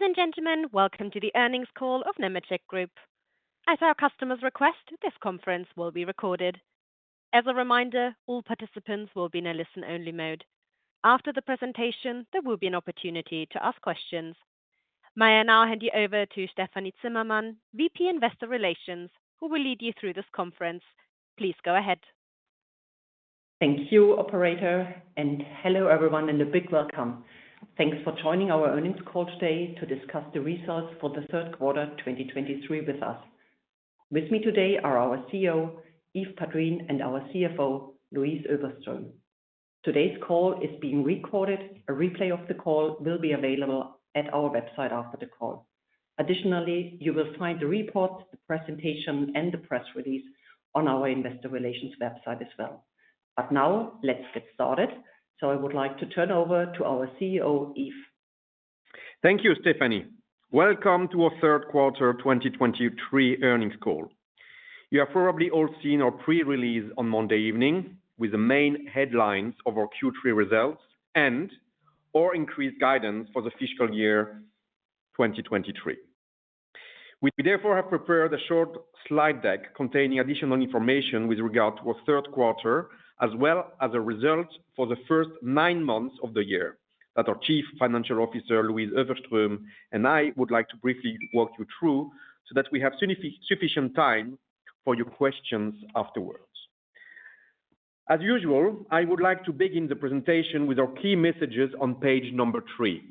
Ladies and gentlemen, welcome to the Earnings Call of Nemetschek Group. At our customer's request, this conference will be recorded. As a reminder, all participants will be in a listen-only mode. After the presentation, there will be an opportunity to ask questions. May I now hand you over to Stefanie Zimmermann, VP Investor Relations, who will lead you through this conference. Please go ahead. Thank you, operator, and hello everyone, and a big welcome. Thanks for joining our Earnings Call today to discuss the results for the Q3, 2023 with us. With me today are our CEO, Yves Padrines, and our CFO, Louise Öfverström. Today's call is being recorded. A replay of the call will be available at our website after the call. Additionally, you will find the report, the presentation, and the press release on our investor relations website as well. But now, let's get started. I would like to turn over to our CEO, Yves. Thank you, Stefanie. Welcome to our Q3 of 2023 Earnings Call. You have probably all seen our pre-release on Monday evening with the main headlines of our Q3 results and/or increased guidance for the fiscal year 2023. We, therefore, have prepared a short slide deck containing additional information with regard to our Q3, as well as the results for the first nine months of the year, that our Chief Financial Officer, Louise Öfverström, and I would like to briefly walk you through so that we have sufficient time for your questions afterwards. As usual, I would like to begin the presentation with our key messages on page number 3.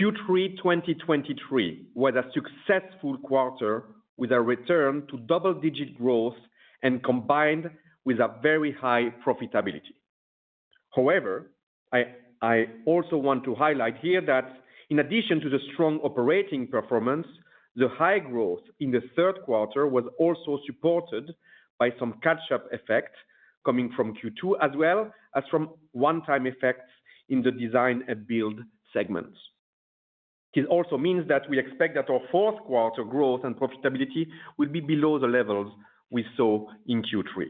Q3 2023 was a successful quarter with a return to double-digit growth and combined with a very high profitability. However, I also want to highlight here that in addition to the strong operating performance, the high growth in the Q3 was also supported by some catch-up effect coming from Q2, as well as from one-time effects in the design and build segments. It also means that we expect that our Q4 growth and profitability will be below the levels we saw in Q3.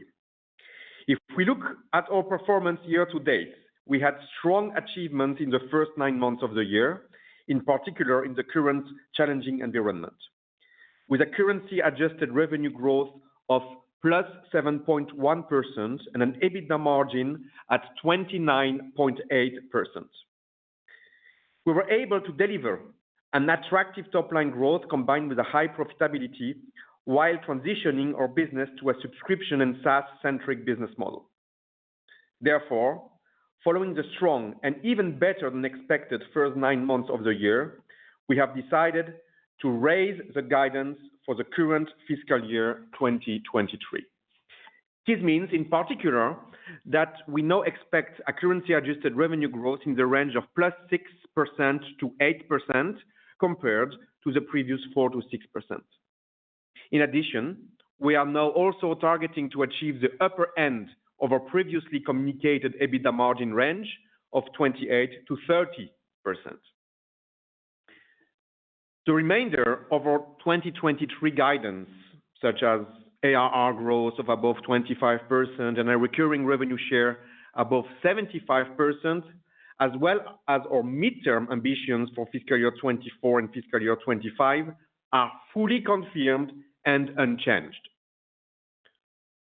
If we look at our performance year to date, we had strong achievement in the first nine months of the year, in particular in the current challenging environment, with a currency-adjusted revenue growth of +7.1% and an EBITDA margin at 29.8%. We were able to deliver an attractive top-line growth, combined with a high profitability, while transitioning our business to a subscription and SaaS-centric business model. Therefore, following the strong and even better than expected first 9 months of the year, we have decided to raise the guidance for the current fiscal year 2023. This means, in particular, that we now expect a currency-adjusted revenue growth in the range of +6%-8% compared to the previous 4%-6%. In addition, we are now also targeting to achieve the upper end of our previously communicated EBITDA margin range of 28%-30%. The remainder of our 2023 guidance, such as ARR growth of above 25% and a recurring revenue share above 75%, as well as our midterm ambitions for fiscal year 2024 and fiscal year 2025, are fully confirmed and unchanged.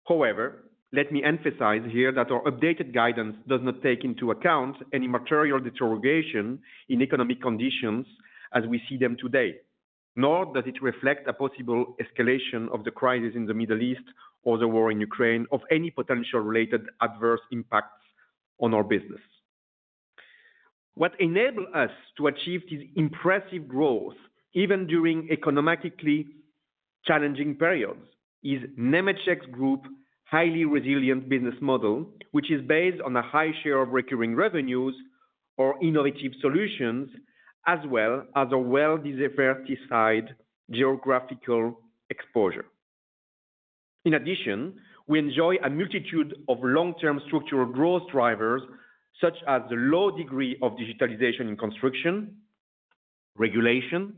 However, let me emphasize here that our updated guidance does not take into account any material deterioration in economic conditions as we see them today, nor does it reflect a possible escalation of the crisis in the Middle East or the war in Ukraine of any potential related adverse impacts on our business. What enabled us to achieve this impressive growth, even during economically challenging periods, is Nemetschek Group's highly resilient business model, which is based on a high share of recurring revenues or innovative solutions, as well as a well-diversified geographical exposure. In addition, we enjoy a multitude of long-term structural growth drivers, such as the low degree of digitalization in construction, regulation,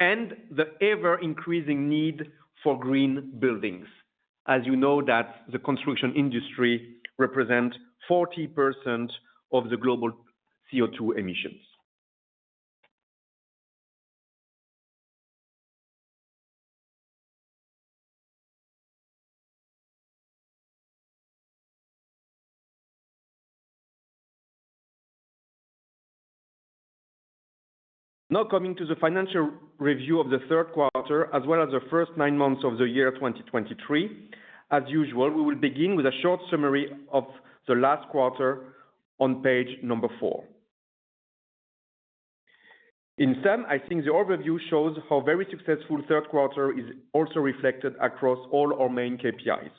and the ever-increasing need for green buildings. As you know that the construction industry represents 40% of the global CO2 emissions. Now, coming to the financial review of the Q3, as well as the first nine months of the year, 2023. As usual, we will begin with a short summary of the last quarter on page 4. In sum, I think the overview shows how very successful Q3 is also reflected across all our main KPIs.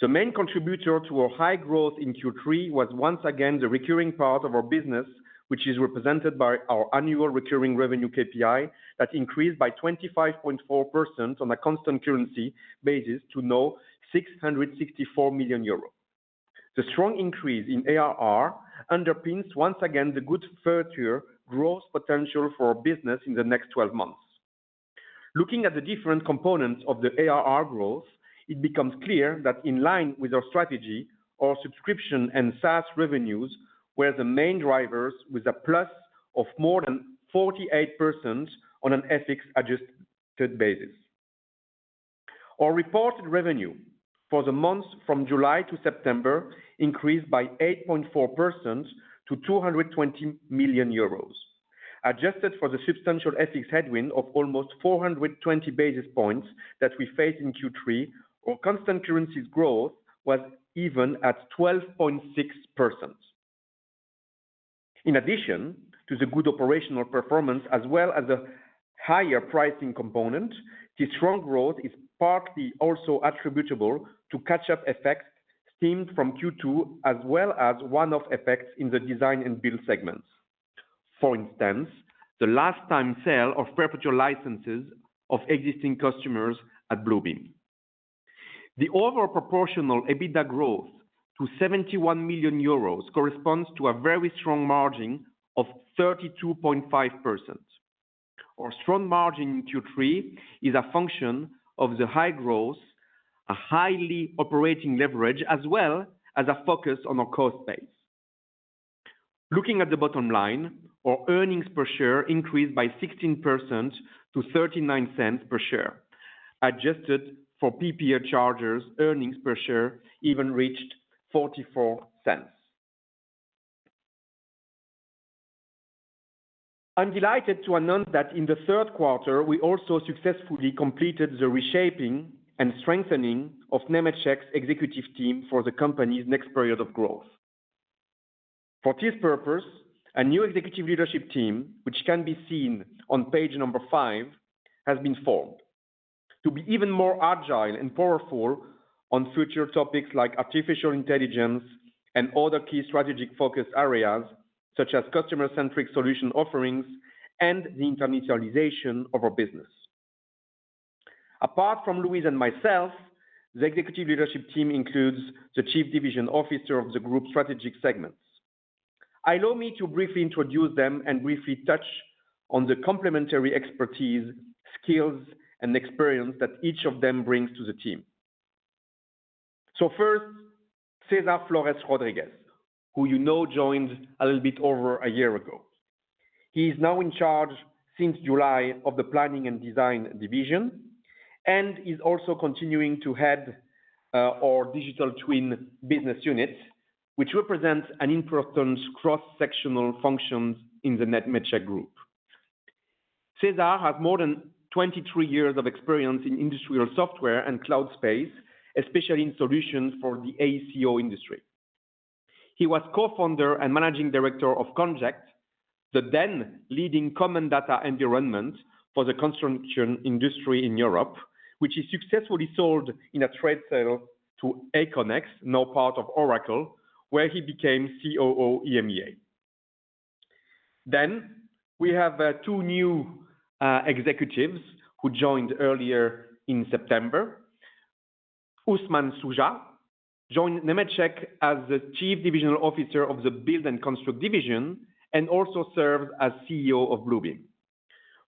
The main contributor to our high growth in Q3 was once again the recurring part of our business, which is represented by our annual recurring revenue KPI that increased by 25.4% on a constant currency basis to now 664 million euros. The strong increase in ARR underpins once again the good further growth potential for our business in the next twelve months. Looking at the different components of the ARR growth, it becomes clear that in line with our strategy, our subscription and SaaS revenues were the main drivers, with a plus of more than 48% on an FX-adjusted basis. Our reported revenue for the months from July to September increased by 8.4% to 220 million euros. Adjusted for the substantial FX headwind of almost 420 basis points that we faced in Q3, our constant currencies growth was even at 12.6%. In addition to the good operational performance, as well as a higher pricing component, this strong growth is partly also attributable to catch-up effects stemmed from Q2, as well as one-off effects in the design and build segments. For instance, the last time sale of perpetual licenses of existing customers at Bluebeam. The overall proportional EBITDA growth to 71 million euros corresponds to a very strong margin of 32.5%. Our strong margin in Q3 is a function of the high growth, a highly operating leverage, as well as a focus on our cost base. Looking at the bottom line, our earnings per share increased by 16% to 0.39 per share. Adjusted for PPA charges, earnings per share even reached 0.44. I'm delighted to announce that in the Q3, we also successfully completed the reshaping and strengthening of Nemetschek's executive team for the company's next period of growth. For this purpose, a new executive leadership team, which can be seen on page 5, has been formed to be even more agile and powerful on future topics like artificial intelligence and other key strategic focus areas, such as customer-centric solution offerings and the internationalization of our business. Apart from Louise and myself, the executive leadership team includes the Chief Division Officer of the group strategic segments. Allow me to briefly introduce them and briefly touch on the complementary expertise, skills, and experience that each of them brings to the team. So first, César Flores Rodríguez, who you know, joined a little bit over a year ago. He is now in charge since July of the planning and design division, and is also continuing to head our digital twin business units, which represents an important cross-sectional functions in the Nemetschek Group. César has more than 23 years of experience in industrial software and cloud space, especially in solutions for the AECO industry. He was co-founder and managing director of Conject, the then leading common data environment for the construction industry in Europe, which he successfully sold in a trade sale to Aconex, now part of Oracle, where he became COO, EMEA. Then we have two new executives who joined earlier in September. Usman Shuja joined Nemetschek as the Chief Divisional Officer of the Build and Construct Division, and also served as CEO of Bluebeam.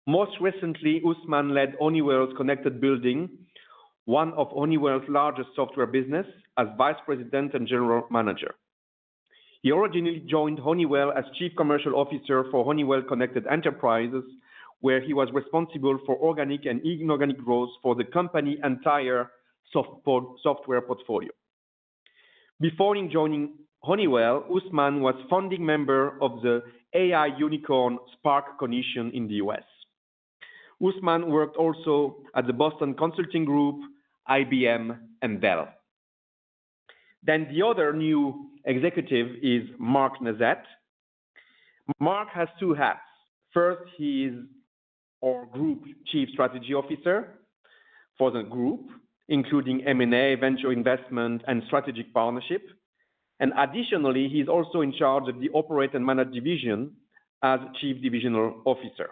Most recently, Usman led Honeywell's Connected Building, one of Honeywell's largest software business, as vice president and general manager. He originally joined Honeywell as chief commercial officer for Honeywell Connected Enterprises, where he was responsible for organic and inorganic growth for the company entire Softport- software portfolio. Before joining Honeywell, Usman was founding member of the AI unicorn SparkCognition in the U.S. Usman worked also at the Boston Consulting Group, IBM, and Dell. Then the other new executive is Marc Nezet. Marc has two hats. First, he is our Group Chief Strategy Officer for the group, including M&A, venture investment, and strategic partnership. And additionally, he's also in charge of the Operate and Manage division as Chief Divisional Officer,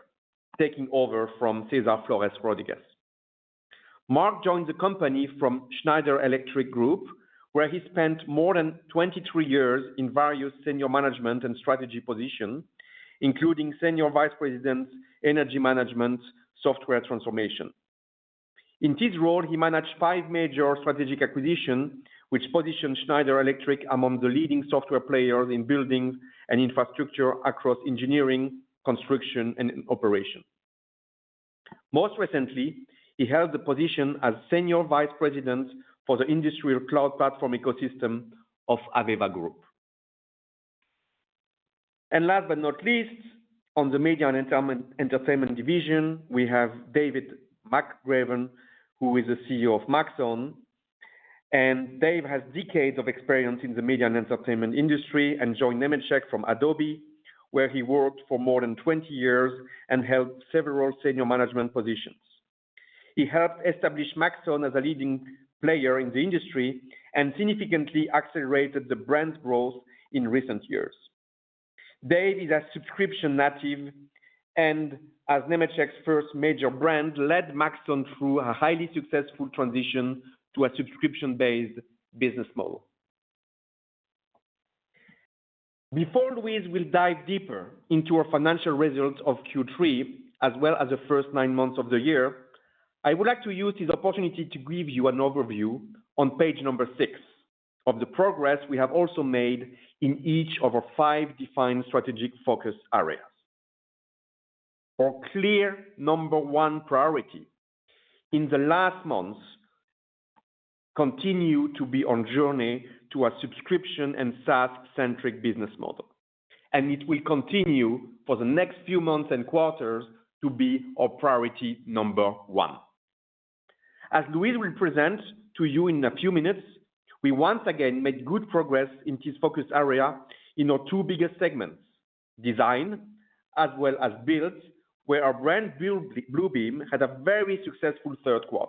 taking over from César Flores Rodríguez. Marc joined the company from Schneider Electric Group, where he spent more than 23 years in various senior management and strategy positions, including Senior Vice President, Energy Management, Software Transformation. In this role, he managed five major strategic acquisitions, which positioned Schneider Electric among the leading software players in buildings and infrastructure across engineering, construction, and operation. Most recently, he held the position as Senior Vice President for the Industrial Cloud Platform Ecosystem of AVEVA Group. And last but not least, on the Media and Entertainment, Entertainment Division, we have David McGavran, who is the CEO of Maxon, and Dave has decades of experience in the media and entertainment industry, and joined Nemetschek from Adobe, where he worked for more than 20 years and held several senior management positions. He helped establish Maxon as a leading player in the industry and significantly accelerated the brand growth in recent years. Dave is a subscription native and as Nemetschek's first major brand, led Maxon through a highly successful transition to a subscription-based business model.... Before Louise will dive deeper into our financial results of Q3, as well as the first 9 months of the year, I would like to use this opportunity to give you an overview on page 6, of the progress we have also made in each of our five defined strategic focus areas. Our clear number one priority in the last months, continue to be on journey to a subscription and SaaS-centric business model, and it will continue for the next few months and quarters to be our priority number one. As Louise will present to you in a few minutes, we once again made good progress in this focus area in our 2 biggest segments: design, as well as build, where our brand build, Bluebeam, had a very successful Q3.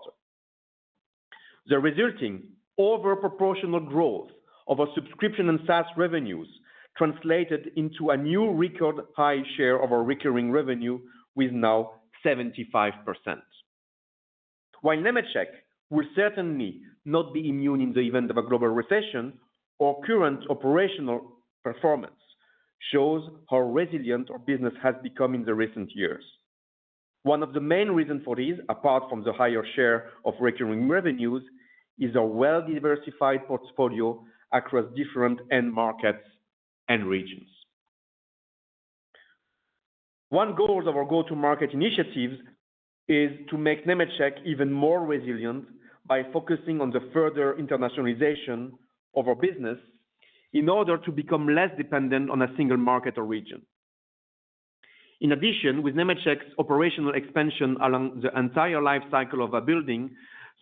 The resulting over proportional growth of our subscription and SaaS revenues translated into a new record high share of our recurring revenue, with now 75%. While Nemetschek will certainly not be immune in the event of a global recession, our current operational performance shows how resilient our business has become in the recent years. One of the main reasons for this, apart from the higher share of recurring revenues, is a well-diversified portfolio across different end markets and regions. One goal of our go-to-market initiatives is to make Nemetschek even more resilient by focusing on the further internationalization of our business, in order to become less dependent on a single market or region. In addition, with Nemetschek's operational expansion along the entire life cycle of a building,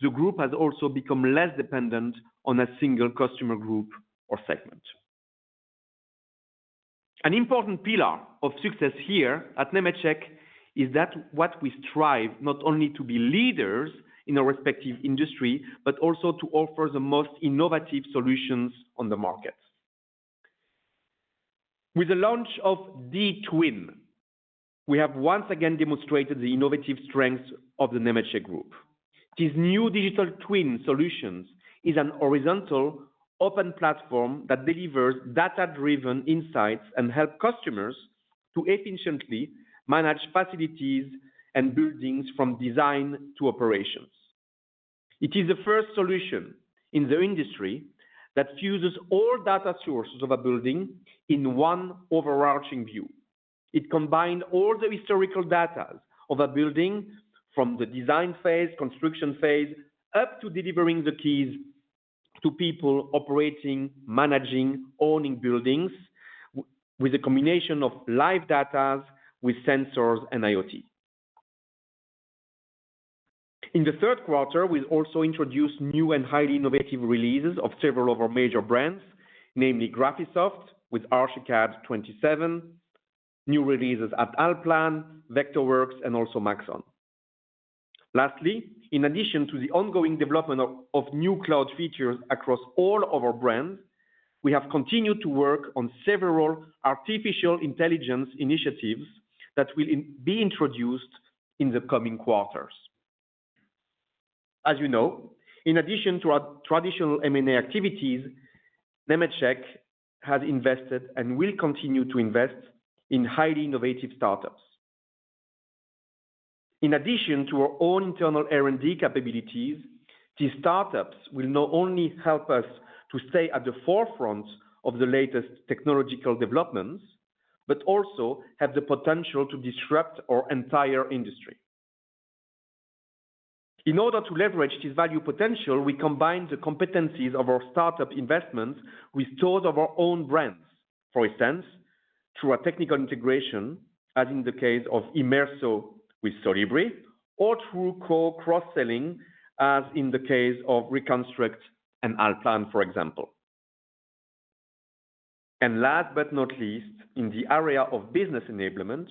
the group has also become less dependent on a single customer group or segment. An important pillar of success here at Nemetschek, is that what we strive not only to be leaders in our respective industry, but also to offer the most innovative solutions on the market. With the launch of dTwin, we have once again demonstrated the innovative strength of the Nemetschek Group. This new digital twin solutions is an horizontal open platform that delivers data-driven insights and help customers to efficiently manage facilities and buildings from design to operations. It is the first solution in the industry that fuses all data sources of a building in one overarching view. It combines all the historical data of a building, from the design phase, construction phase, up to delivering the keys to people operating, managing, owning buildings, with a combination of live data with sensors and IoT. In the Q3, we also introduced new and highly innovative releases of several of our major brands, namely GRAPHISOFT, with Archicad 27, new releases at ALLPLAN, Vectorworks, and also Maxon. Lastly, in addition to the ongoing development of new cloud features across all of our brands, we have continued to work on several artificial intelligence initiatives that will be introduced in the coming quarters. As you know, in addition to our traditional M&A activities, Nemetschek has invested and will continue to invest in highly innovative startups. In addition to our own internal R&D capabilities, these startups will not only help us to stay at the forefront of the latest technological developments, but also have the potential to disrupt our entire industry. In order to leverage this value potential, we combine the competencies of our startup investments with those of our own brands. For instance, through a technical integration, as in the case of Imerso with Solibri, or through core cross-selling, as in the case of Reconstruct and ALLPLAN, for example. Last but not least, in the area of business enablement,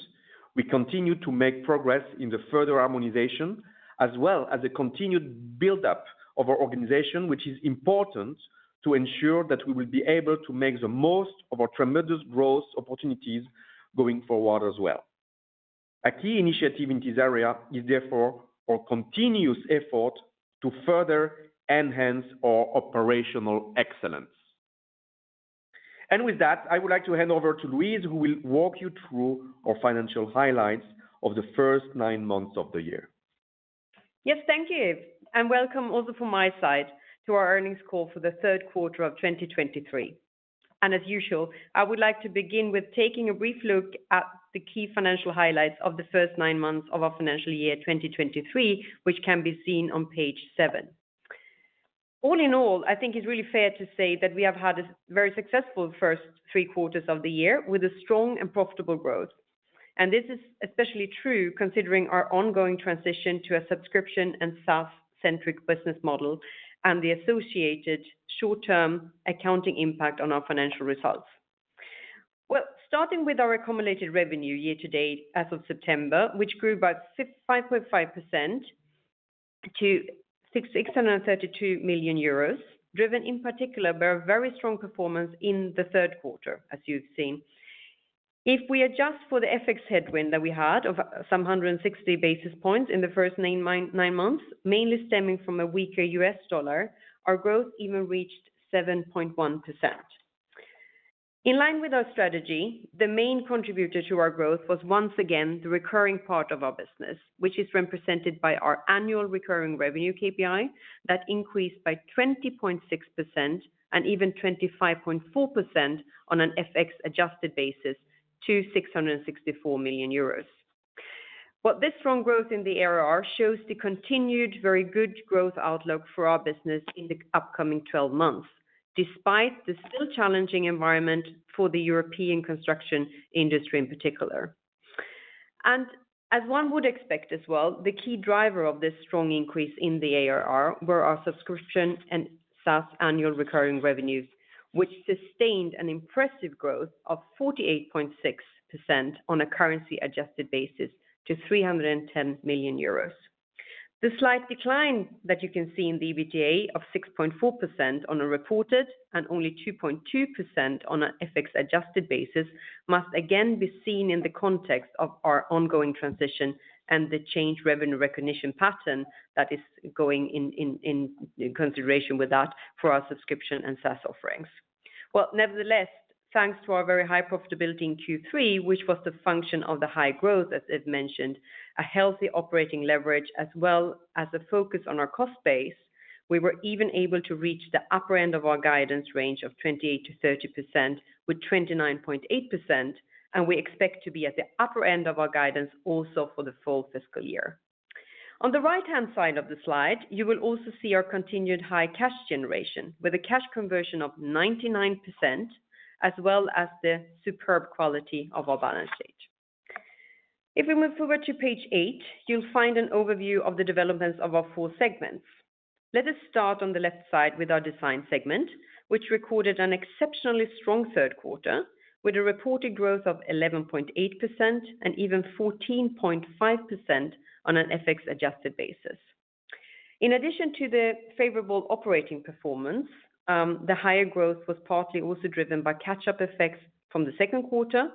we continue to make progress in the further harmonization, as well as the continued buildup of our organization, which is important to ensure that we will be able to make the most of our tremendous growth opportunities going forward as well. A key initiative in this area is, therefore, our continuous effort to further enhance our operational excellence. With that, I would like to hand over to Louise, who will walk you through our financial highlights of the first nine months of the year. Yes, thank you, and welcome also from my side to our Earnings Call for the Q3 of 2023. As usual, I would like to begin with taking a brief look at the key financial highlights of the first 9 months of our financial year, 2023, which can be seen on page 7. All in all, I think it's really fair to say that we have had a very successful first three quarters of the year, with a strong and profitable growth. This is especially true considering our ongoing transition to a subscription and SaaS-centric business model and the associated short-term accounting impact on our financial results. Well, starting with our accumulated revenue year to date as of September, which grew by 5.5% to 663.2 million euros, driven in particular by a very strong performance in the Q3, as you've seen. If we adjust for the FX headwind that we had of some 160 basis points in the first nine months, mainly stemming from a weaker US dollar, our growth even reached 7.1%. In line with our strategy, the main contributor to our growth was once again, the recurring part of our business, which is represented by our annual recurring revenue KPI, that increased by 20.6% and even 25.4% on an FX adjusted basis to 664 million euros. But this strong growth in the ARR shows the continued very good growth outlook for our business in the upcoming 12 months, despite the still challenging environment for the European construction industry in particular. As one would expect as well, the key driver of this strong increase in the ARR were our subscription and SaaS annual recurring revenues, which sustained an impressive growth of 48.6% on a currency adjusted basis to 310 million euros. The slight decline that you can see in the EBITDA of 6.4% on a reported and only 2.2% on an FX adjusted basis, must again be seen in the context of our ongoing transition and the change revenue recognition pattern that is going into consideration with that for our subscription and SaaS offerings. Well, nevertheless, thanks to our very high profitability in Q3, which was the function of the high growth, as Yves mentioned, a healthy operating leverage, as well as a focus on our cost base, we were even able to reach the upper end of our guidance range of 28%-30%, with 29.8%, and we expect to be at the upper end of our guidance also for the full fiscal year. On the right-hand side of the slide, you will also see our continued high cash generation, with a cash conversion of 99%, as well as the superb quality of our balance sheet. If we move forward to page 8, you'll find an overview of the developments of our 4 segments. Let us start on the left side with our design segment, which recorded an exceptionally strong Q3, with a reported growth of 11.8% and even 14.5% on an FX adjusted basis. In addition to the favorable operating performance, the higher growth was partly also driven by catch-up effects from the Q2,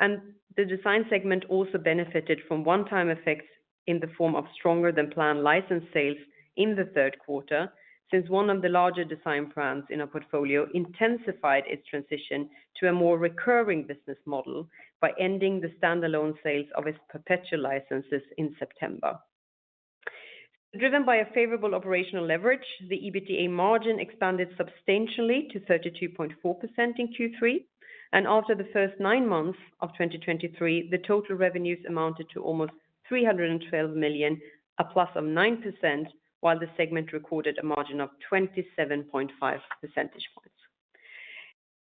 and the design segment also benefited from one-time effects in the form of stronger than planned license sales in the Q3, since one of the larger design brands in our portfolio intensified its transition to a more recurring business model by ending the standalone sales of its perpetual licenses in September. Driven by a favorable operational leverage, the EBITDA margin expanded substantially to 32.4% in Q3, and after the first 9 months of 2023, the total revenues amounted to almost 312 million, a +9%, while the segment recorded a margin of 27.5 percentage points.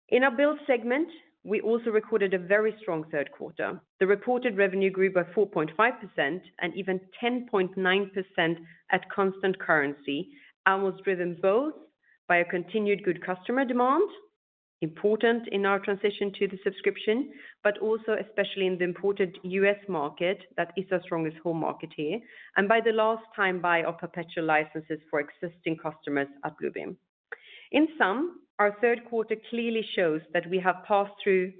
In our build segment, we also recorded a very strong Q3. The reported revenue grew by 4.5% and even 10.9% at constant currency, and was driven both by a continued good customer demand, important in our transition to the subscription, but also especially in the important U.S. market that is our strongest home market here, and by the last time buy of perpetual licenses for existing customers at Bluebeam. In sum, our Q3 clearly shows that we have passed through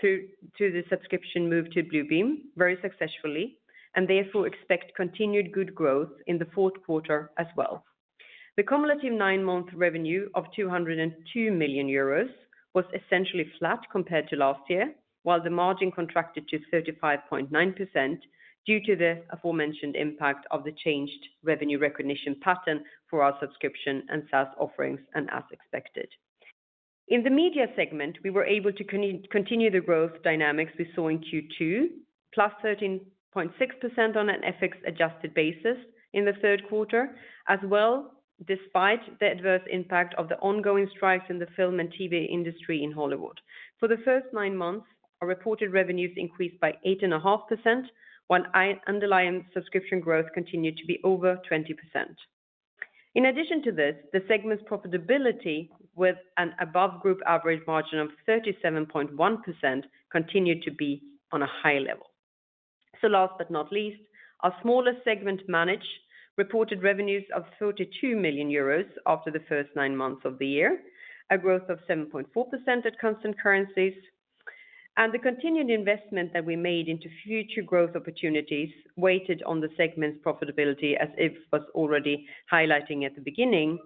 to the subscription move to Bluebeam very successfully, and therefore expect continued good growth in the Q4 as well. The cumulative nine-month revenue of 202 million euros was essentially flat compared to last year, while the margin contracted to 35.9% due to the aforementioned impact of the changed revenue recognition pattern for our subscription and SaaS offerings, and as expected. In the media segment, we were able to continue the growth dynamics we saw in Q2, +13.6% on an FX adjusted basis in the Q3, as well, despite the adverse impact of the ongoing strikes in the film and TV industry in Hollywood. For the first nine months, our reported revenues increased by 8.5%, while underlying subscription growth continued to be over 20%. In addition to this, the segment's profitability, with an above group average margin of 37.1%, continued to be on a high level. So last but not least, our smallest segment, Manage, reported revenues of 32 million euros after the first nine months of the year, a growth of 7.4% at constant currencies, and the continued investment that we made into future growth opportunities weighted on the segment's profitability, as Yves was already highlighting at the beginning.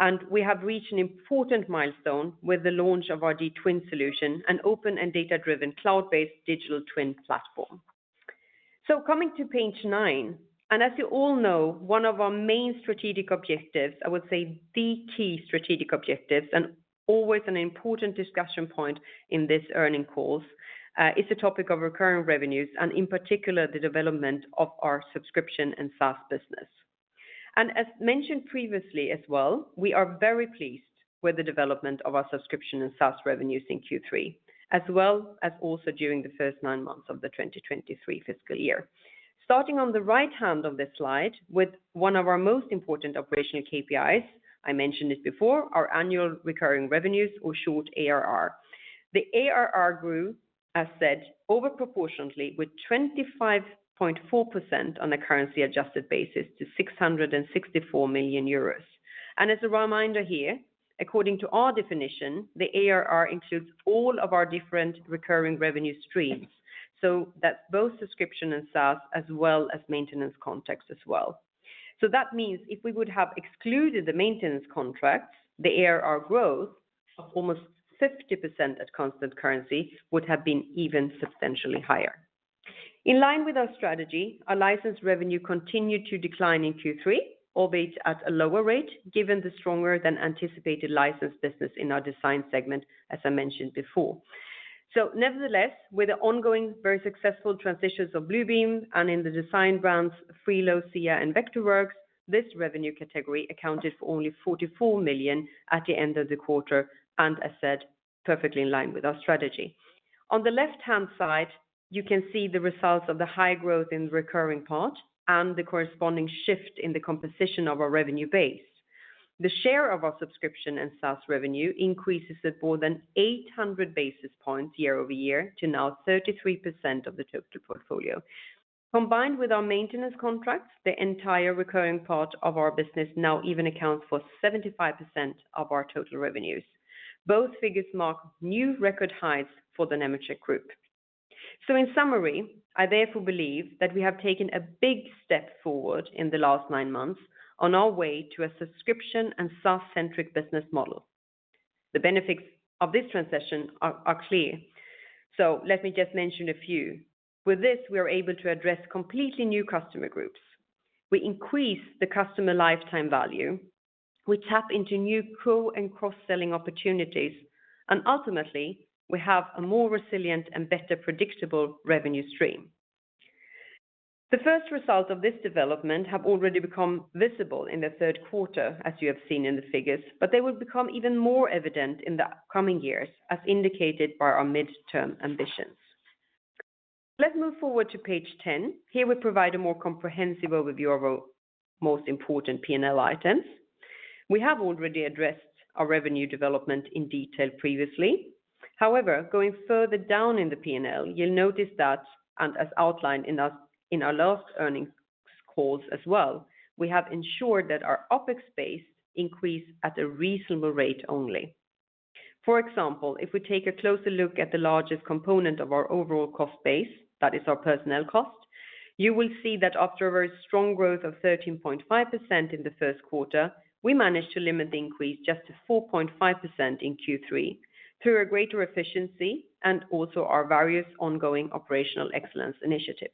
And we have reached an important milestone with the launch of our dTwin solution, an open and data-driven cloud-based digital twin platform. So coming to page 9, and as you all know, one of our main strategic objectives, I would say the key strategic objectives, and always an important discussion point in this earnings calls, is the topic of recurring revenues, and in particular, the development of our subscription and SaaS business. And as mentioned previously as well, we are very pleased with the development of our subscription and SaaS revenues in Q3, as well as also during the first nine months of the 2023 fiscal year. Starting on the right hand of this slide, with one of our most important operational KPIs, I mentioned it before, our annual recurring revenues or short ARR. The ARR grew, as said, over proportionately, with 25.4% on a currency adjusted basis to 664 million euros.... As a reminder here, according to our definition, the ARR includes all of our different recurring revenue streams, so that's both subscription and SaaS, as well as maintenance contract as well. That means if we would have excluded the maintenance contract, the ARR growth of almost 50% at constant currency would have been even substantially higher. In line with our strategy, our license revenue continued to decline in Q3, albeit at a lower rate, given the stronger than anticipated license business in our design segment, as I mentioned before. Nevertheless, with the ongoing, very successful transitions of Bluebeam and in the design brands, Frilo, SCIA, and Vectorworks, this revenue category accounted for only 44 million at the end of the quarter, and as said, perfectly in line with our strategy. On the left-hand side, you can see the results of the high growth in the recurring part and the corresponding shift in the composition of our revenue base. The share of our subscription and SaaS revenue increases at more than 800 basis points year-over-year to now 33% of the total portfolio. Combined with our maintenance contracts, the entire recurring part of our business now even accounts for 75% of our total revenues. Both figures mark new record highs for the Nemetschek Group. So in summary, I therefore believe that we have taken a big step forward in the last 9 months on our way to a subscription and SaaS-centric business model. The benefits of this transition are clear. So let me just mention a few. With this, we are able to address completely new customer groups. We increase the customer lifetime value, we tap into new pro and cross-selling opportunities, and ultimately, we have a more resilient and better predictable revenue stream. The first result of this development have already become visible in the Q3, as you have seen in the figures, but they will become even more evident in the upcoming years, as indicated by our midterm ambitions. Let's move forward to page 10. Here we provide a more comprehensive overview of our most important P&L items. We have already addressed our revenue development in detail previously. However, going further down in the P&L, you'll notice that, and as outlined in our, in our last earnings calls as well, we have ensured that our OpEx base increase at a reasonable rate only. For example, if we take a closer look at the largest component of our overall cost base, that is our personnel cost, you will see that after a very strong growth of 13.5% in the Q1, we managed to limit the increase just to 4.5% in Q3, through a greater efficiency and also our various ongoing operational excellence initiatives.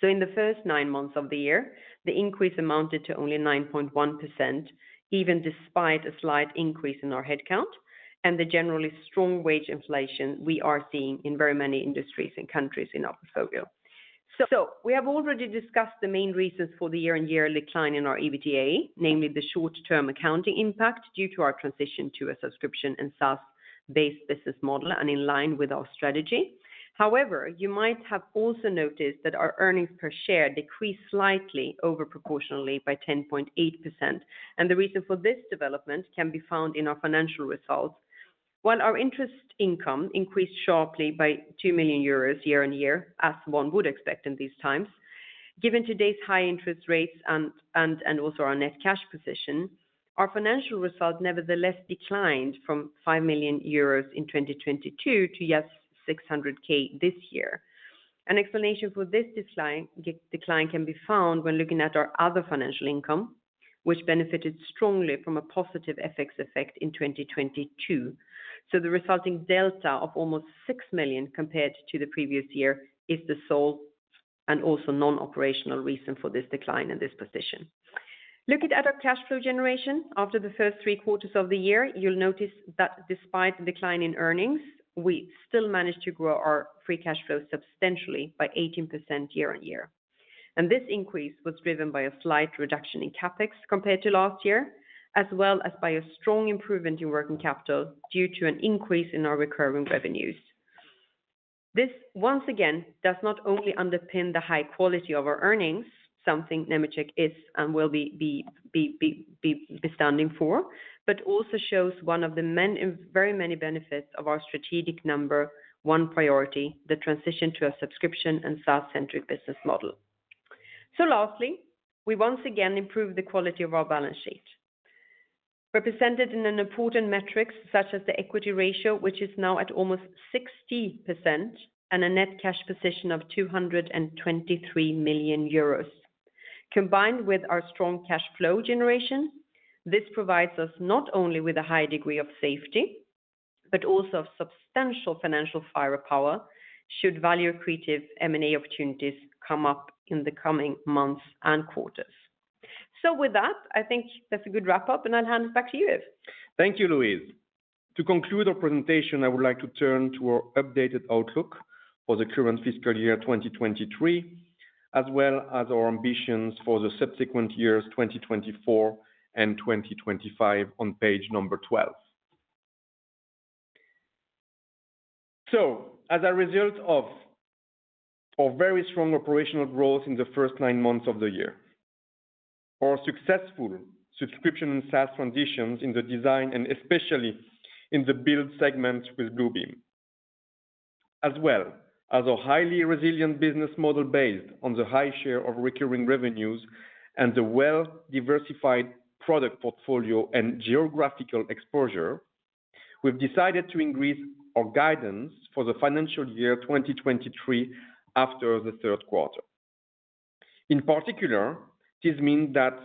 So in the first nine months of the year, the increase amounted to only 9.1%, even despite a slight increase in our headcount and the generally strong wage inflation we are seeing in very many industries and countries in our portfolio. So we have already discussed the main reasons for the year and year decline in our EBITDA, namely the short-term accounting impact due to our transition to a subscription and SaaS-based business model and in line with our strategy. However, you might have also noticed that our earnings per share decreased slightly over proportionally by 10.8%, and the reason for this development can be found in our financial results. While our interest income increased sharply by 2 million euros year-on-year, as one would expect in these times, given today's high interest rates and also our net cash position, our financial results nevertheless declined from 5 million euros in 2022 to just 600,000 this year. An explanation for this decline can be found when looking at our other financial income, which benefited strongly from a positive FX effect in 2022. So the resulting delta of almost 6 million compared to the previous year is the sole and also non-operational reason for this decline in this position. Looking at our cash flow generation, after the first three quarters of the year, you'll notice that despite the decline in earnings, we still managed to grow our free cash flow substantially by 18% year-on-year. This increase was driven by a slight reduction in CapEx compared to last year, as well as by a strong improvement in working capital due to an increase in our recurring revenues. This, once again, does not only underpin the high quality of our earnings, something Nemetschek is and will be standing for, but also shows one of the many, very many benefits of our strategic number one priority, the transition to a subscription and SaaS-centric business model. Lastly, we once again improve the quality of our balance sheet. Represented in an important metrics such as the equity ratio, which is now at almost 60%, and a net cash position of 223 million euros. Combined with our strong cash flow generation, this provides us not only with a high degree of safety, but also substantial financial firepower, should value accretive M&A opportunities come up in the coming months and quarters. So with that, I think that's a good wrap-up, and I'll hand it back to you, Yves. Thank you, Louise. To conclude our presentation, I would like to turn to our updated outlook for the current fiscal year, 2023, as well as our ambitions for the subsequent years, 2024 and 2025 on page 12. So, as a result of our very strong operational growth in the first 9 months of the year, our successful subscription and SaaS transitions in the design, and especially in the build segment with Bluebeam… as well as a highly resilient business model based on the high share of recurring revenues and the well-diversified product portfolio and geographical exposure, we've decided to increase our guidance for the financial year 2023 after the Q3. In particular, this means that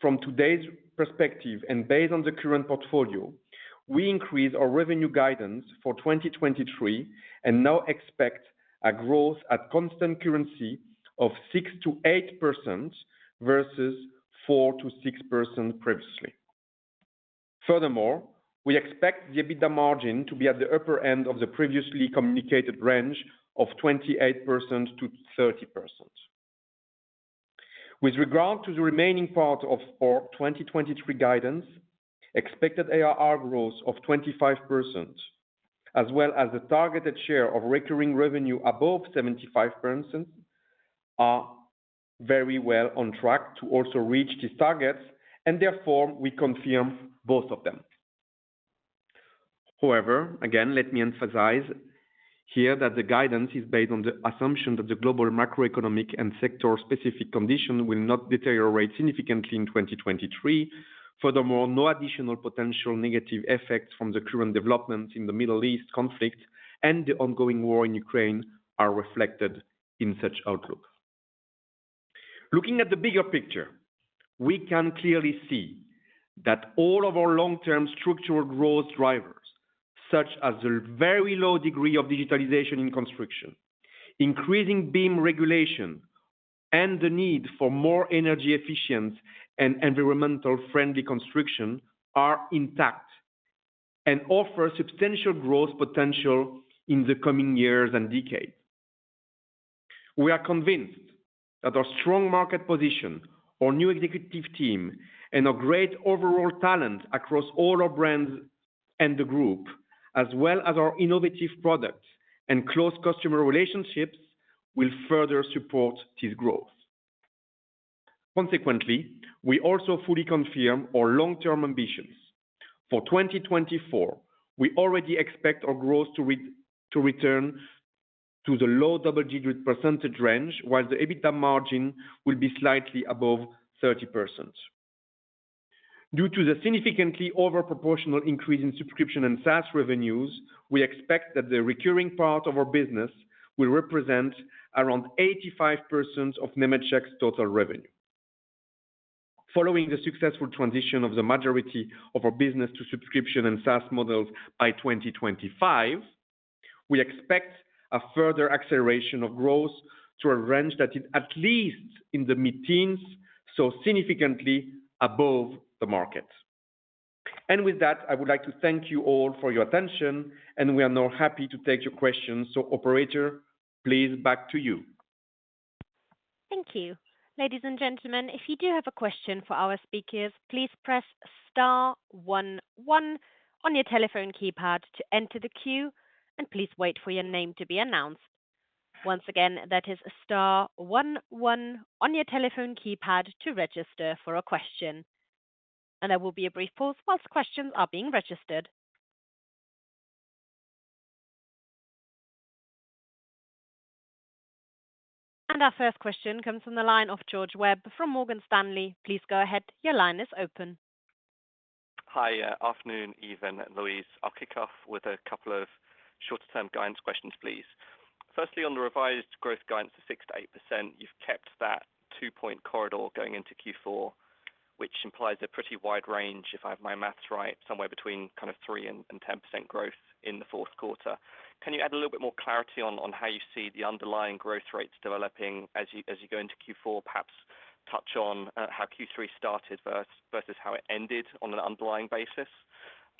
from today's perspective and based on the current portfolio, we increase our revenue guidance for 2023 and now expect a growth at constant currency of 6%-8% versus 4%-6% previously. Furthermore, we expect the EBITDA margin to be at the upper end of the previously communicated range of 28%-30%. With regard to the remaining part of our 2023 guidance, expected ARR growth of 25%, as well as a targeted share of recurring revenue above 75%, are very well on track to also reach these targets, and therefore, we confirm both of them. However, again, let me emphasize here that the guidance is based on the assumption that the global macroeconomic and sector-specific conditions will not deteriorate significantly in 2023. Furthermore, no additional potential negative effects from the current developments in the Middle East conflict and the ongoing war in Ukraine are reflected in such outlook. Looking at the bigger picture, we can clearly see that all of our long-term structural growth drivers, such as the very low degree of digitalization in construction, increasing BIM regulation, and the need for more energy efficient and environmental-friendly construction, are intact and offer substantial growth potential in the coming years and decades. We are convinced that our strong market position, our new executive team, and a great overall talent across all our brands and the group, as well as our innovative products and close customer relationships, will further support this growth. Consequently, we also fully confirm our long-term ambitions. For 2024, we already expect our growth to return to the low double-digit percentage range, while the EBITDA margin will be slightly above 30%. Due to the significantly over proportional increase in subscription and SaaS revenues, we expect that the recurring part of our business will represent around 85% of Nemetschek's total revenue. Following the successful transition of the majority of our business to subscription and SaaS models by 2025, we expect a further acceleration of growth to a range that is at least in the mid-teens, so significantly above the market. And with that, I would like to thank you all for your attention, and we are now happy to take your questions. So operator, please back to you. Thank you. Ladies and gentlemen, if you do have a question for our speakers, please press star one one on your telephone keypad to enter the queue, and please wait for your name to be announced. Once again, that is star one one on your telephone keypad to register for a question. There will be a brief pause while questions are being registered. Our first question comes from the line of George Webb from Morgan Stanley. Please go ahead. Your line is open. Hi, afternoon, Yves and Louise. I'll kick off with a couple of shorter-term guidance questions, please. Firstly, on the revised growth guidance of 6%-8%, you've kept that 2-point corridor going into Q4, which implies a pretty wide range, if I have my math right, somewhere between kind of 3% and 10% growth in the Q4. Can you add a little bit more clarity on how you see the underlying growth rates developing as you go into Q4? Perhaps touch on how Q3 started versus how it ended on an underlying basis,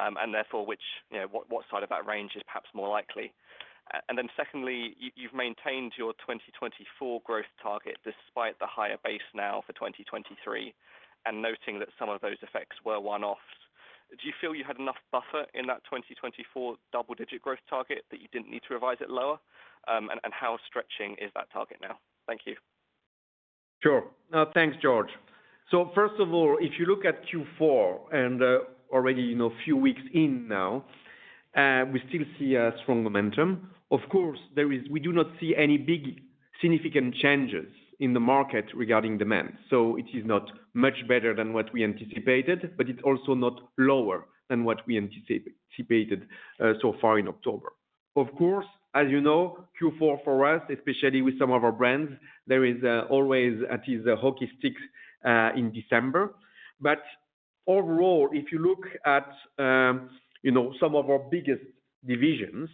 and therefore, which, you know, what side of that range is perhaps more likely. And then secondly, you've maintained your 2024 growth target despite the higher base now for 2023, and noting that some of those effects were one-offs. Do you feel you had enough buffer in that 2024 double-digit growth target that you didn't need to revise it lower? And how stretching is that target now? Thank you. Sure. Thanks, George. So first of all, if you look at Q4 and already, you know, a few weeks in now, we still see a strong momentum. Of course, there is, we do not see any big significant changes in the market regarding demand, so it is not much better than what we anticipated, but it's also not lower than what we anticipated, so far in October. Of course, as you know, Q4 for us, especially with some of our brands, there is always at least a hockey stick in December. But overall, if you look at, you know, some of our biggest divisions,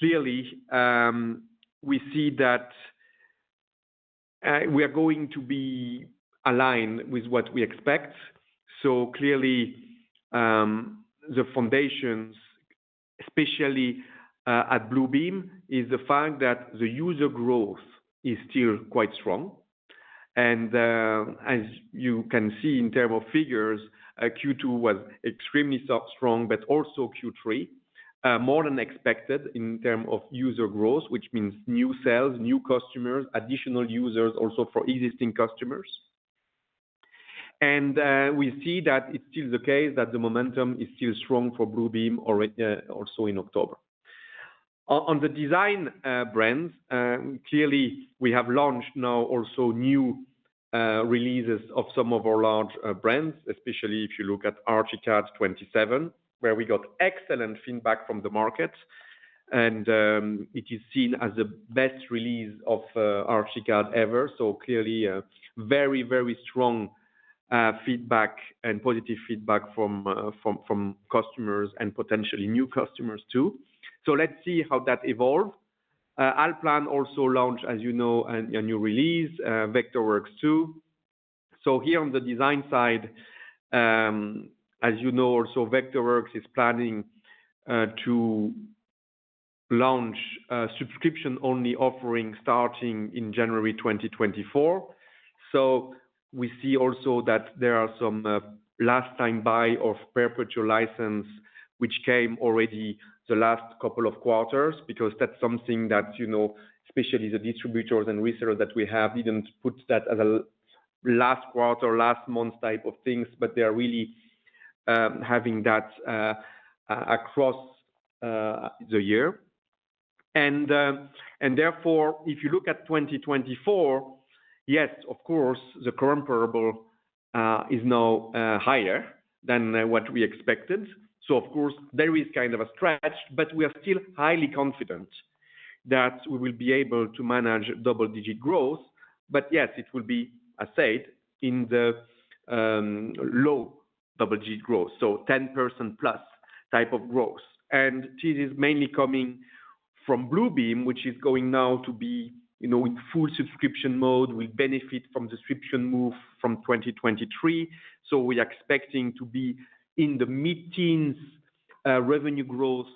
clearly, we see that we are going to be aligned with what we expect. So clearly, the foundations, especially at Bluebeam, is the fact that the user growth is still quite strong. As you can see in terms of figures, Q2 was extremely so strong, but also Q3, more than expected in terms of user growth, which means new sales, new customers, additional users, also for existing customers... We see that it's still the case, that the momentum is still strong for Bluebeam already, also in October. On the design brands, clearly, we have launched now also new releases of some of our large brands, especially if you look at Archicad 27, where we got excellent feedback from the market, and it is seen as the best release of Archicad ever. So clearly, very, very strong feedback and positive feedback from customers and potentially new customers, too. So let's see how that evolve. ALLPLAN also launched, as you know, a new release, Vectorworks, too. So here on the design side, as you know, also, Vectorworks is planning to launch a subscription-only offering starting in January 2024. So we see also that there are some last time buy of perpetual license, which came already the last couple of quarters, because that's something that, you know, especially the distributors and resellers that we have, didn't put that as a last quarter, last month type of things, but they are really having that across the year. And therefore, if you look at 2024, yes, of course, the comparable is now higher than what we expected. So of course, there is kind of a stretch, but we are still highly confident that we will be able to manage double-digit growth. But yes, it will be, I said, in the low double-digit growth, so 10% plus type of growth. And this is mainly coming from Bluebeam, which is going now to be, you know, in full subscription mode. We benefit from subscription move from 2023, so we are expecting to be in the mid-teens revenue growth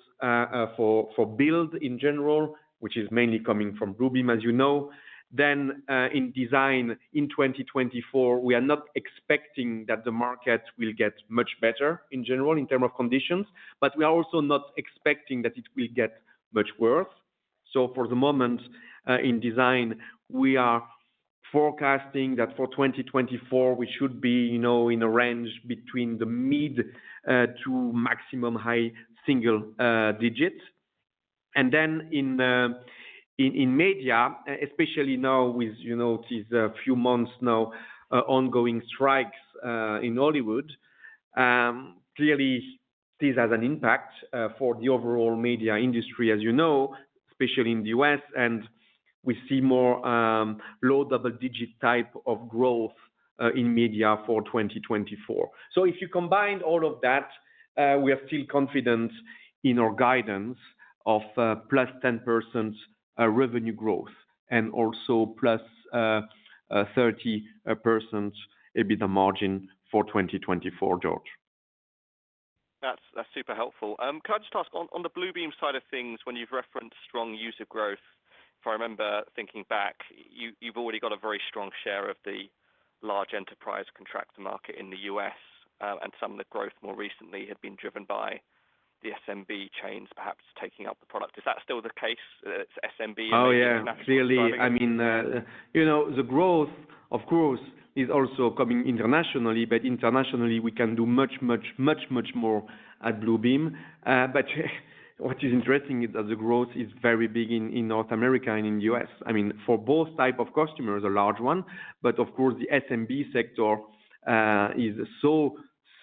for build in general, which is mainly coming from Bluebeam, as you know. Then, in design, in 2024, we are not expecting that the market will get much better in general in terms of conditions, but we are also not expecting that it will get much worse. So for the moment, in design, we are forecasting that for 2024, we should be, you know, in a range between the mid- to maximum high-single digits. And then in media, especially now with, you know, these few months now, ongoing strikes in Hollywood, clearly this has an impact for the overall media industry, as you know, especially in the US, and we see more low double-digit type of growth in media for 2024. So if you combine all of that, we are still confident in our guidance of +10% revenue growth, and also +30% EBITDA margin for 2024, George. That's, that's super helpful. Can I just ask, on the Bluebeam side of things, when you've referenced strong user growth, if I remember thinking back, you've already got a very strong share of the large enterprise contractor market in the U.S., and some of the growth more recently had been driven by the SMB chains, perhaps taking up the product. Is that still the case, that it's SMB and international- Oh, yeah, clearly. I mean, you know, the growth, of course, is also coming internationally, but internationally, we can do much, much, much, much more at Bluebeam. But what is interesting is that the growth is very big in North America and in U.S. I mean, for both type of customers, a large one, but of course, the SMB sector is so,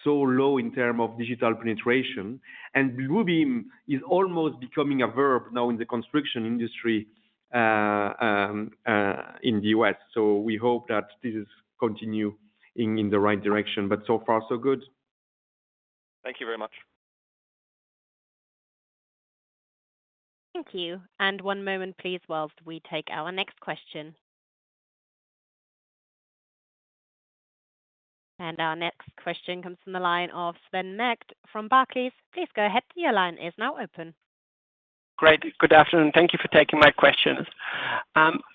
so low in term of digital penetration. And Bluebeam is almost becoming a verb now in the construction industry in the U.S. So we hope that this is continuing in the right direction, but so far, so good. Thank you very much. Thank you. One moment, please, while we take our next question. Our next question comes from the line of Sven Merkt from Barclays. Please go ahead. Your line is now open. Great. Good afternoon, and thank you for taking my questions.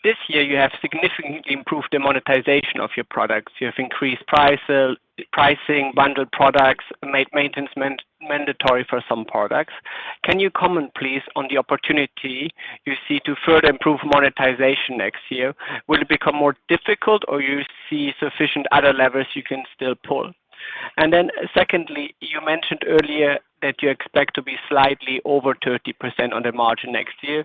This year, you have significantly improved the monetization of your products. You have increased prices, pricing, bundled products, made maintenance mandatory for some products. Can you comment, please, on the opportunity you see to further improve monetization next year? Will it become more difficult, or you see sufficient other levers you can still pull? And then secondly, you mentioned earlier that you expect to be slightly over 30% on the margin next year.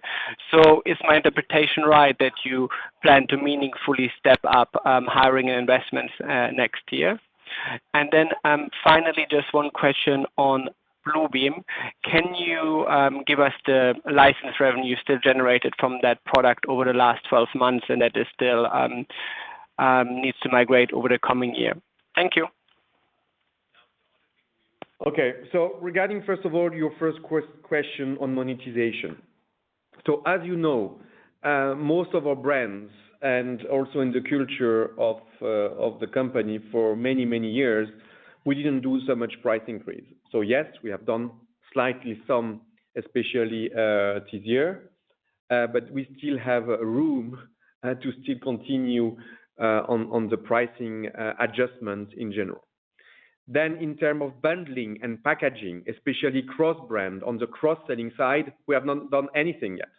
So is my interpretation right, that you plan to meaningfully step up, hiring and investments, next year? And then, finally, just one question on Bluebeam. Can you, give us the license revenue still generated from that product over the last 12 months, and that is still needs to migrate over the coming year? Thank you. Okay. So regarding, first of all, your first question on monetization. So, as you know, most of our brands, and also in the culture of, of the company for many, many years, we didn't do so much price increase. So yes, we have done slightly some, especially, this year, but we still have room, to still continue, on, on the pricing, adjustment in general. Then in terms of bundling and packaging, especially cross-brand, on the cross-selling side, we have not done anything yet.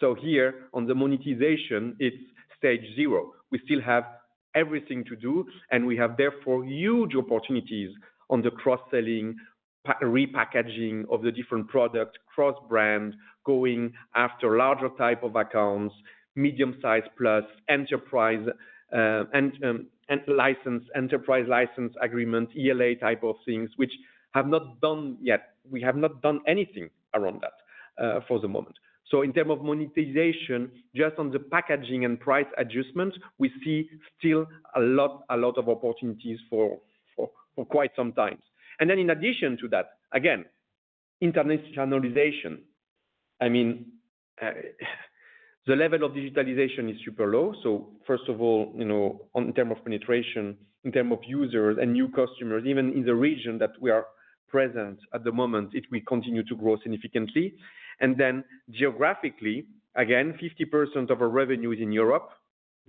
So here on the monetization, it's stage zero. We still have everything to do, and we have, therefore, huge opportunities on the cross-selling, repackaging of the different products, cross-brand, going after larger type of accounts, medium-size plus, enterprise, and, and license, enterprise license agreement, ELA type of things, which have not done yet. We have not done anything around that for the moment. So in term of monetization, just on the packaging and price adjustments, we see still a lot, a lot of opportunities for quite some time. And then in addition to that, again, internationalization. I mean, the level of digitalization is super low. So first of all, you know, on term of penetration, in term of users and new customers, even in the region that we are present at the moment, it will continue to grow significantly. And then geographically, again, 50% of our revenue is in Europe,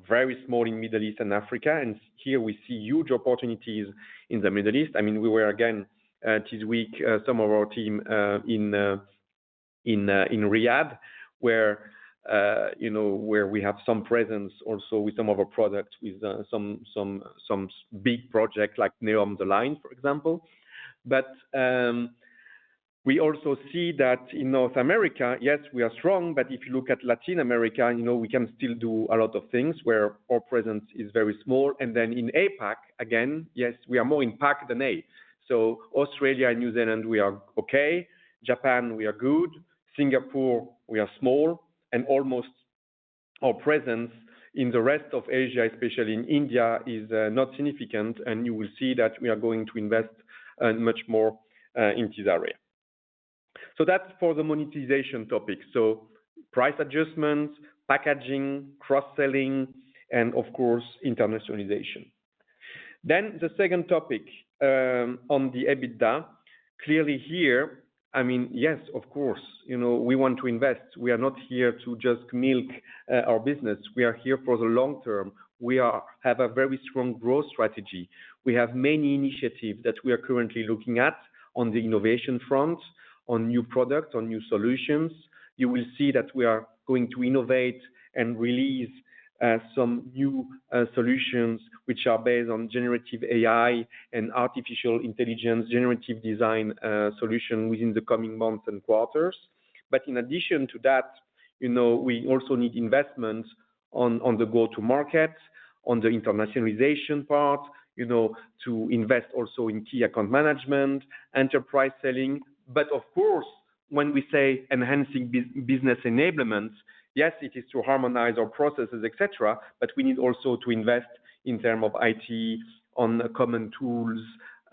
very small in Middle East and Africa, and here we see huge opportunities in the Middle East. I mean, we were, again, this week, some of our team in Riyadh, where, you know, where we have some presence also with some of our products, with some big projects like NEOM The Line, for example. But we also see that in North America, yes, we are strong, but if you look at Latin America, you know, we can still do a lot of things where our presence is very small. And then in APAC, again, yes, we are more in PAC than A. So Australia and New Zealand, we are okay. Japan, we are good. Singapore, we are small, and almost our presence in the rest of Asia, especially in India, is not significant, and you will see that we are going to invest much more in this area. So that's for the monetization topic. So price adjustments, packaging, cross-selling, and of course, internationalization. Then the second topic, on the EBITDA, clearly here, I mean, yes, of course, you know, we want to invest. We are not here to just milk our business. We are here for the long term. We have a very strong growth strategy. We have many initiatives that we are currently looking at on the innovation front, on new products, on new solutions. You will see that we are going to innovate and release some new solutions which are based on generative AI and artificial intelligence, generative design solution within the coming months and quarters. But in addition to that, you know, we also need investments on the go-to-market, on the internationalization part, you know, to invest also in key account management, enterprise selling. But of course, when we say enhancing business enablement, yes, it is to harmonize our processes, et cetera, but we need also to invest in terms of IT, on the common tools,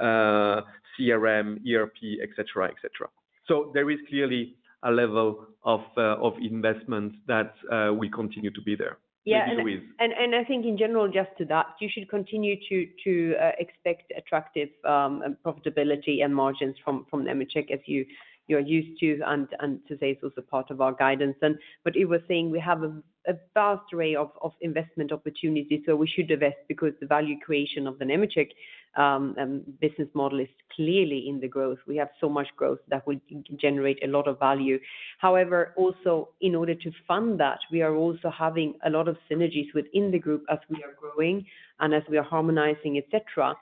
CRM, ERP, et cetera, et cetera. So there is clearly a level of investment that we continue to be there and deal with. Yeah, and I think in general, just to that, you should continue to expect attractive profitability and margins from Nemetschek as you're used to, and to say it's also part of our guidance. But it was saying, we have a vast array of investment opportunities, so we should invest because the value creation of the Nemetschek business model is clearly in the growth. We have so much growth that we can generate a lot of value. However, also, in order to fund that, we are also having a lot of synergies within the group as we are growing and as we are harmonizing, et cetera.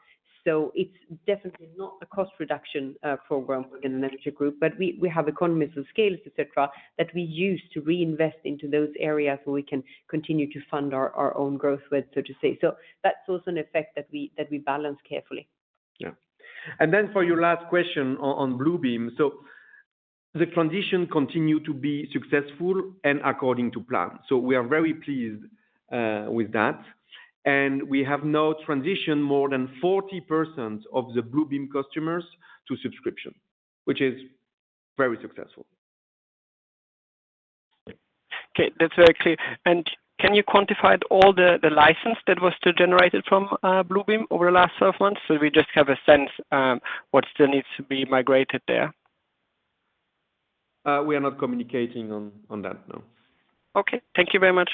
So it's definitely not a cost reduction program within the Nemetschek Group, but we have economies of scale, etc., that we use to reinvest into those areas where we can continue to fund our own growth, so to say. So that's also an effect that we balance carefully. Yeah. And then for your last question on Bluebeam, so the transition continue to be successful and according to plan. So we are very pleased with that. And we have now transitioned more than 40% of the Bluebeam customers to subscription, which is very successful. Okay, that's very clear. Can you quantify all the, the license that was still generated from Bluebeam over the last several months? So we just have a sense what still needs to be migrated there. We are not communicating on that, no. Okay. Thank you very much.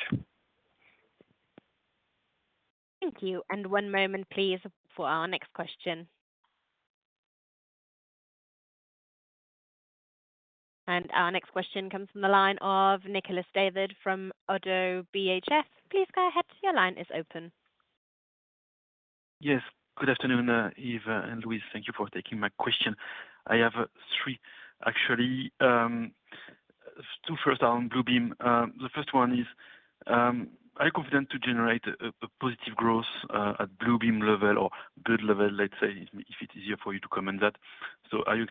Thank you. One moment, please, for our next question. Our next question comes from the line of Nicolas David from ODDO BHF. Please go ahead, your line is open. Yes, good afternoon, Yves and Louise. Thank you for taking my question. I have three, actually two first are on Bluebeam. The first one is, are you confident to generate a positive growth at Bluebeam level or good level, let's say, if it's easier for you to comment that? So are you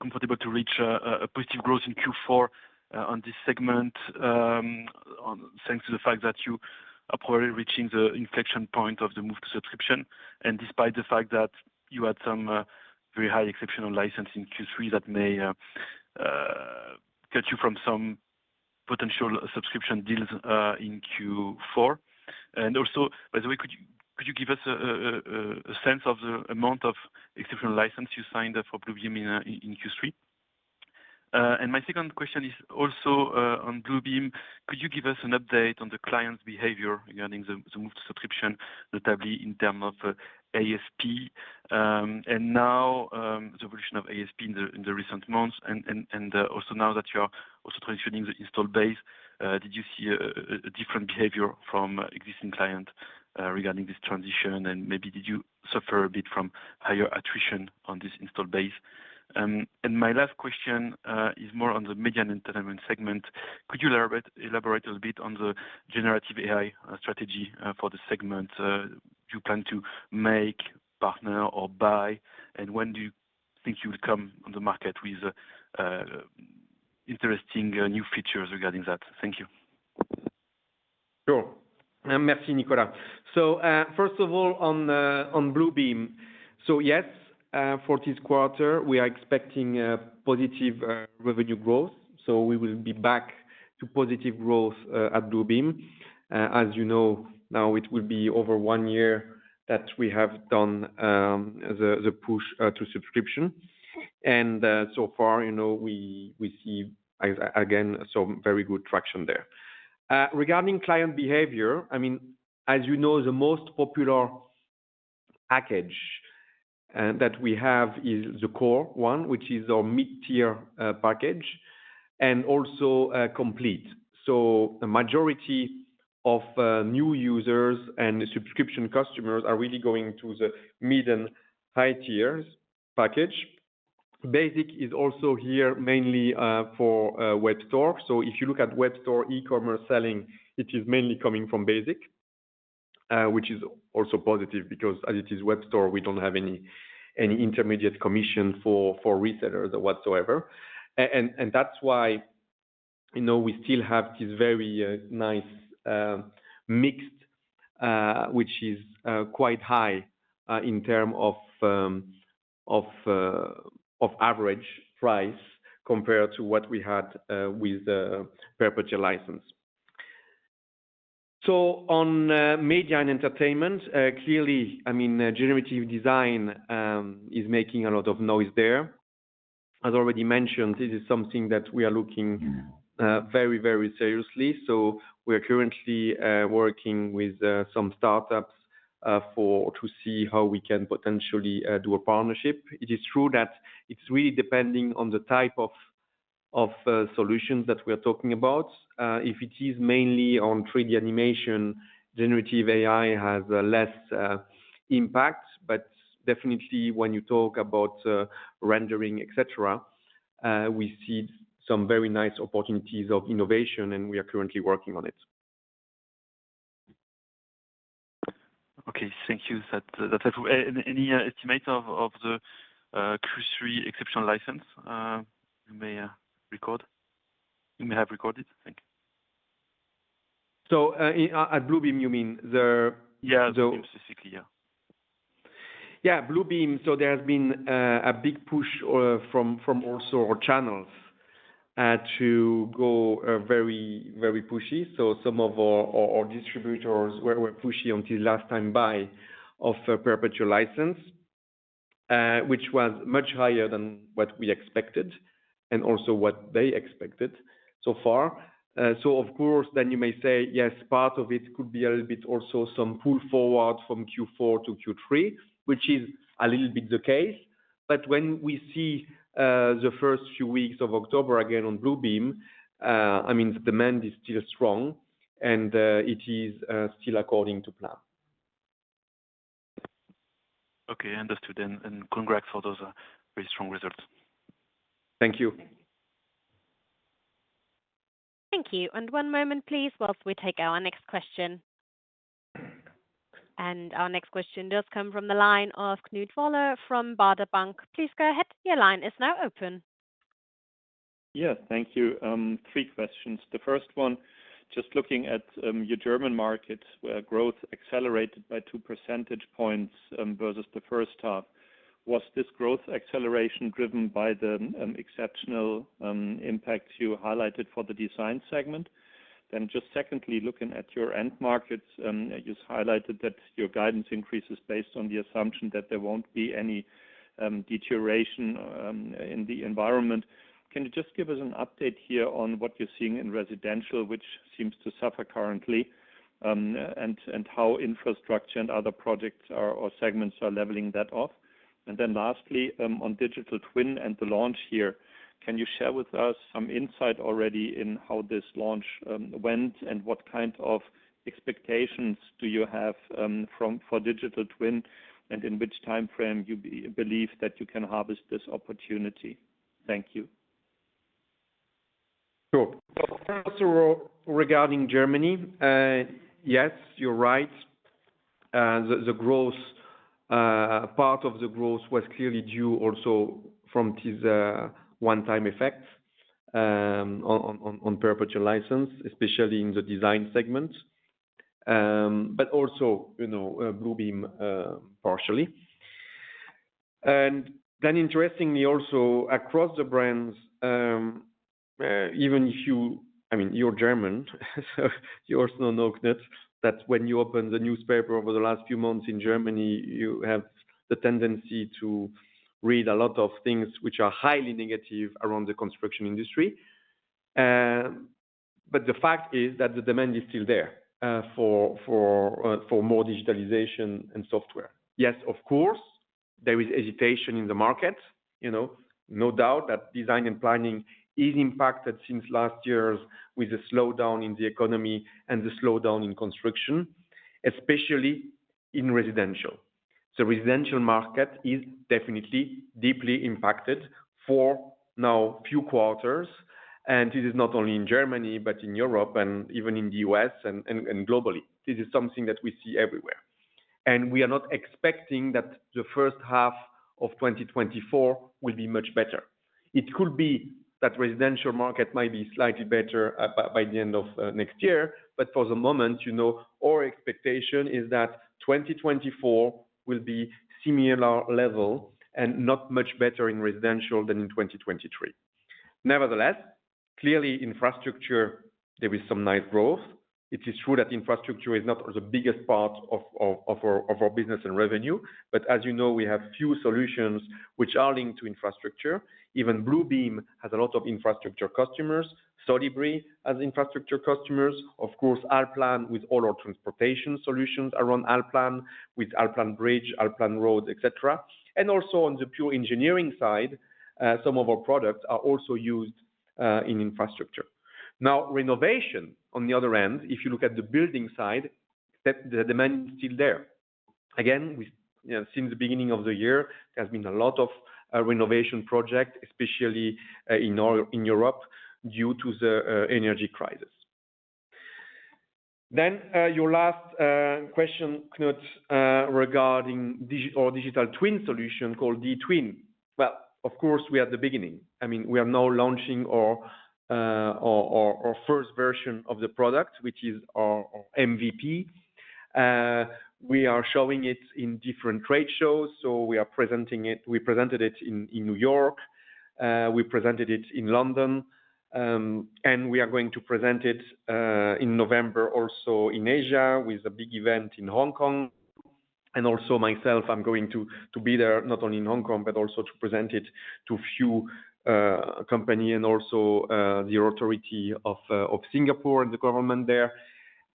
comfortable to reach a positive growth in Q4 on this segment. Thanks to the fact that you are probably reaching the inflection point of the move to subscription, and despite the fact that you had some very high exceptional license in Q3, that may cut you from some potential subscription deals in Q4. By the way, could you give us a sense of the amount of exceptional license you signed up for Bluebeam in Q3? And my second question is also on Bluebeam. Could you give us an update on the client's behavior regarding the move to subscription, notably in terms of ASP? And now the evolution of ASP in the recent months and also now that you are also transitioning the installed base, did you see a different behavior from existing client regarding this transition? And maybe did you suffer a bit from higher attrition on this installed base? And my last question is more on the media and entertainment segment. Could you elaborate a little bit on the generative AI strategy for the segment? Do you plan to make, partner, or buy, and when do you think you will come on the market with interesting new features regarding that? Thank you. Sure. And merci, Nicolas. So, first of all, on Bluebeam. So yes, for this quarter, we are expecting a positive revenue growth, so we will be back to positive growth at Bluebeam. As you know, now, it will be over one year that we have done the push to subscription. And so far, you know, we see again some very good traction there. Regarding client behavior, I mean, as you know, the most popular package that we have is the Core one, which is our mid-tier package, and also Complete. So the majority of new users and subscription customers are really going to the mid and high tiers package. Basics is also here, mainly for Webstore. So if you look at Webstore, e-commerce selling, it is mainly coming from basic, which is also positive because as it is Webstore, we don't have any intermediate commission for resellers or whatsoever. And that's why, you know, we still have this very nice mix, which is quite high in term of of average price compared to what we had with the perpetual license. So on media and entertainment, clearly, I mean, generative design is making a lot of noise there. As already mentioned, this is something that we are looking very, very seriously. So we are currently working with some startups for to see how we can potentially do a partnership. It is true that it's really depending on the type of solutions that we're talking about. If it is mainly on 3D animation, generative AI has less impact, but definitely when you talk about rendering, et cetera, we see some very nice opportunities of innovation, and we are currently working on it. Okay. Thank you. Any estimate of the Q3 exceptional license you may record? You may have recorded? Thank you. So, at Bluebeam, you mean the- Yeah, Bluebeam specifically, yeah. Yeah, Bluebeam. So there has been a big push from also our channels to go very, very pushy. So some of our distributors were pushy until last time buy of a perpetual license, which was much higher than what we expected and also what they expected so far. So of course, then you may say, "Yes, part of it could be a little bit also some pull forward from Q4 to Q3," which is a little bit the case. But when we see the first few weeks of October, again on Bluebeam, I mean, the demand is still strong and it is still according to plan. Okay, understood. And congrats for those very strong results. Thank you. Thank you. One moment, please, while we take our next question. Our next question does come from the line of Knut Woller from Baader Bank. Please go ahead. Your line is now open. Yeah, thank you. Three questions. The first one, just looking at your German market, growth accelerated by 2 percentage points versus the first half. Was this growth acceleration driven by the exceptional impact you highlighted for the design segment? Then just secondly, looking at your end markets, you've highlighted that your guidance increases based on the assumption that there won't be any deterioration in the environment. Can you just give us an update here on what you're seeing in residential, which seems to suffer currently, and how infrastructure and other products or segments are leveling that off? And then lastly, on Digital Twin and the launch here, can you share with us some insight already in how this launch went, and what kind of expectations do you have for Digital Twin, and in which timeframe you believe that you can harvest this opportunity? Thank you. Sure. First of all, regarding Germany, yes, you're right. The growth part of the growth was clearly due also from this one-time effect on perpetual license, especially in the design segment, but also, you know, Bluebeam partially. And then interestingly also, across the brands. Even if you, I mean, you're German, so you also know, Knut, that when you open the newspaper over the last few months in Germany, you have the tendency to read a lot of things which are highly negative around the construction industry. But the fact is that the demand is still there for more digitalization and software. Yes, of course, there is hesitation in the market, you know? No doubt that design and planning is impacted since last year with the slowdown in the economy and the slowdown in construction, especially in residential. The residential market is definitely deeply impacted for now few quarters, and this is not only in Germany, but in Europe and even in the U.S. and globally. This is something that we see everywhere. We are not expecting that the first half of 2024 will be much better. It could be that residential market might be slightly better by the end of next year, but for the moment, you know, our expectation is that 2024 will be similar level and not much better in residential than in 2023. Nevertheless, clearly, infrastructure, there is some nice growth. It is true that infrastructure is not the biggest part of our business and revenue, but as you know, we have few solutions which are linked to infrastructure. Even Bluebeam has a lot of infrastructure customers. Solibri has infrastructure customers. Of course, ALLPLAN with all our transportation solutions around ALLPLAN, with ALLPLAN Bridge, Allplan Road, et cetera. And also on the pure engineering side, some of our products are also used in infrastructure. Now, renovation, on the other hand, if you look at the building side, that the demand is still there. Again, since the beginning of the year, there has been a lot of renovation projects, especially in Europe, due to the energy crisis. Then, your last question, Knut, regarding our digital twin solution called dTwin. Well, of course, we are at the beginning. I mean, we are now launching our first version of the product, which is our MVP. We are showing it in different trade shows, so we are presenting it. We presented it in New York, we presented it in London, and we are going to present it in November, also in Asia, with a big event in Hong Kong. And also myself, I'm going to be there, not only in Hong Kong, but also to present it to a few company and also the authority of Singapore and the government there.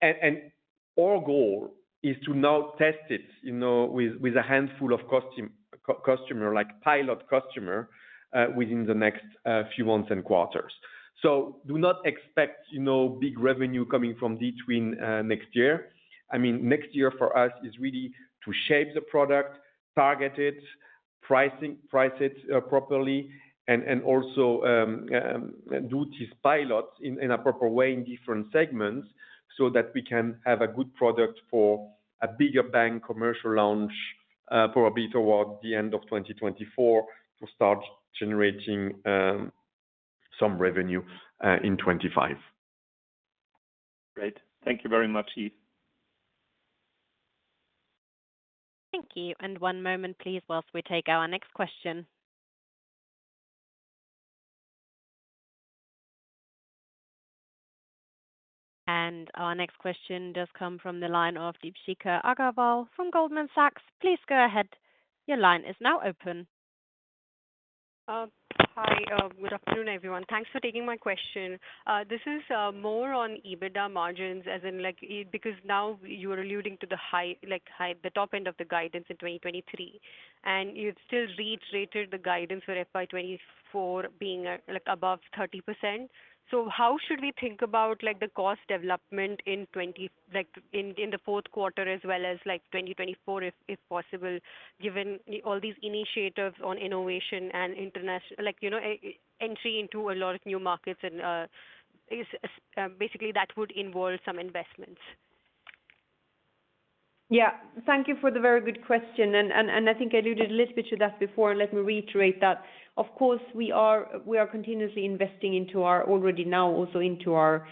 And our goal is to now test it, you know, with a handful of customer, like pilot customer, within the next few months and quarters. Do not expect, you know, big revenue coming from dTwin next year. I mean, next year for us is really to shape the product, target it, price it properly, and also do these pilots in a proper way in different segments so that we can have a good product for a bigger bang commercial launch, probably toward the end of 2024, to start generating some revenue in 2025. Great. Thank you very much, Yves. Thank you. And one moment, please, while we take our next question. And our next question does come from the line of Deepshikha Agarwal from Goldman Sachs. Please go ahead. Your line is now open. Hi, good afternoon, everyone. Thanks for taking my question. This is more on EBITDA margins, as in, like, because now you're alluding to the high, like, the top end of the guidance in 2023, and you've still reiterated the guidance for FY 2024 being, like, above 30%. So how should we think about, like, the cost development in 2023, like, in the Q4, as well as, like, 2024, if possible, given all these initiatives on innovation and international, like, you know, entry into a lot of new markets, and basically that would involve some investments? Yeah. Thank you for the very good question. And I think I alluded a little bit to that before. Let me reiterate that. Of course, we are continuously investing into our already now also into our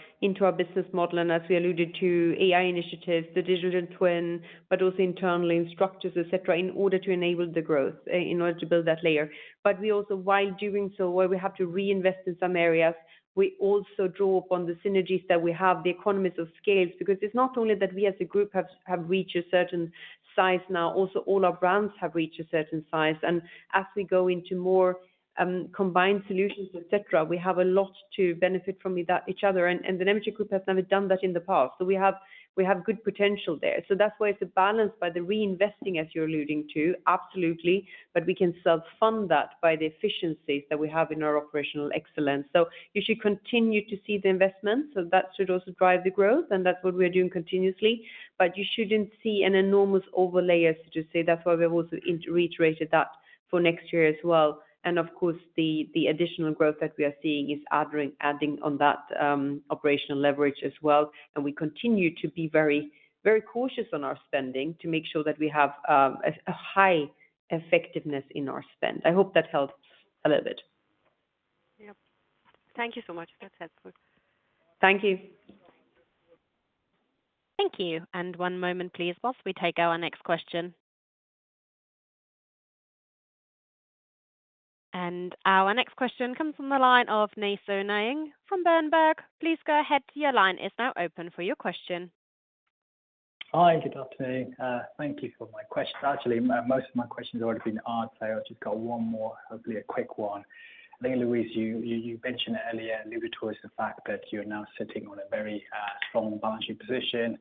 business model, and as we alluded to AI initiatives, the digital twin, but also internally in structures, et cetera, in order to enable the growth in order to build that layer. But we also, while doing so, where we have to reinvest in some areas, we also draw upon the synergies that we have, the economies of scales. Because it's not only that we as a group have reached a certain size now, also all our brands have reached a certain size. As we go into more combined solutions, et cetera, we have a lot to benefit from each other, and the Nemetschek Group has never done that in the past. So we have good potential there. So that's why it's a balance by the reinvesting, as you're alluding to, absolutely, but we can self-fund that by the efficiencies that we have in our operational excellence. So you should continue to see the investments, so that should also drive the growth, and that's what we're doing continuously. But you shouldn't see an enormous overlay, so to say. That's why we've also reiterated that for next year as well. And of course, the additional growth that we are seeing is adding on that operational leverage as well. We continue to be very, very cautious on our spending to make sure that we have a high effectiveness in our spend. I hope that helped a little bit. Yep. Thank you so much. That's helpful. Thank you. Thank you. One moment, please, whilst we take our next question.... Our next question comes from the line of Nay Soe Naing from Berenberg. Please go ahead. Your line is now open for your question. Hi, good afternoon. Thank you for my questions. Actually, most of my questions have already been answered, so I've just got one more, hopefully a quick one. I think, Louise, you mentioned earlier alluding towards the fact that you're now sitting on a very strong balance sheet position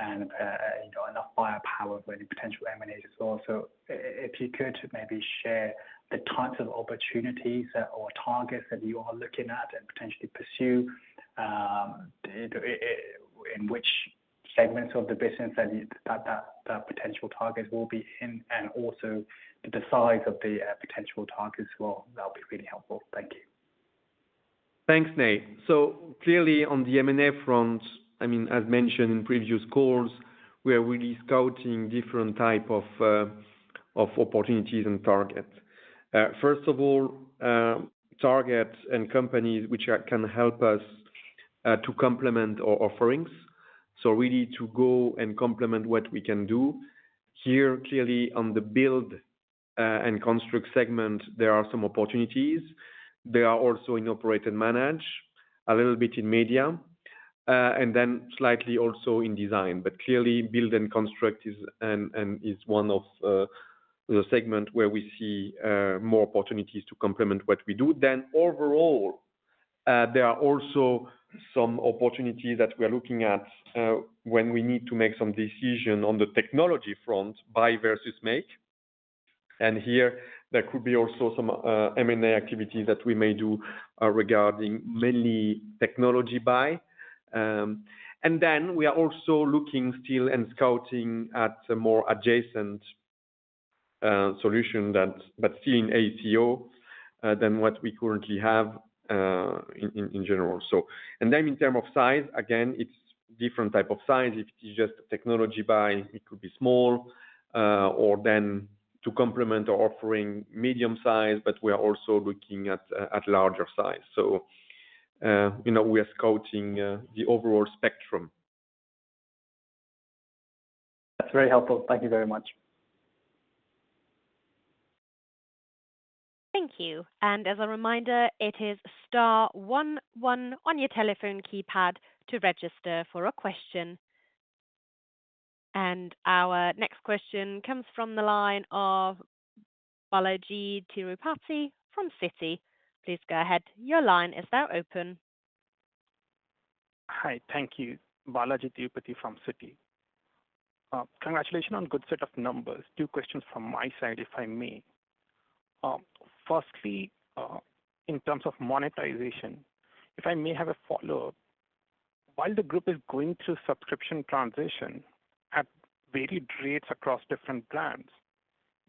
and, you know, enough firepower for any potential M&A as well. So if you could maybe share the types of opportunities or targets that you are looking at and potentially pursue, in which segments of the business that the potential target will be in, and also the size of the potential targets as well. That'll be really helpful. Thank you. Thanks, Nay. Clearly on the M&A front, I mean, as mentioned in previous calls, we are really scouting different types of opportunities and targets. First of all, targets and companies which can help us to complement our offerings, so really to go and complement what we can do. Here, clearly on the build and construct segment, there are some opportunities. They are also in operate and manage, a little bit in media, and then slightly also in design. Clearly, build and construct is one of the segments where we see more opportunities to complement what we do. Overall, there are also some opportunities that we are looking at when we need to make some decision on the technology front, buy versus make. And here, there could be also some M&A activities that we may do, regarding mainly technology buy. And then we are also looking still and scouting at a more adjacent solution that, but still in AECO, than what we currently have, in general, so. And then in term of size, again, it's different type of size. If it is just technology buy, it could be small, or then to complement our offering, medium size, but we are also looking at larger size. So, you know, we are scouting the overall spectrum. That's very helpful. Thank you very much. Thank you. As a reminder, it is star one one on your telephone keypad to register for a question. Our next question comes from the line of Balajee Tirupati from Citi. Please go ahead. Your line is now open. Hi. Thank you. Balajee Tirupati from Citi. Congratulations on good set of numbers. Two questions from my side, if I may. Firstly, in terms of monetization, if I may have a follow-up. While the group is going through subscription transition at varied rates across different brands,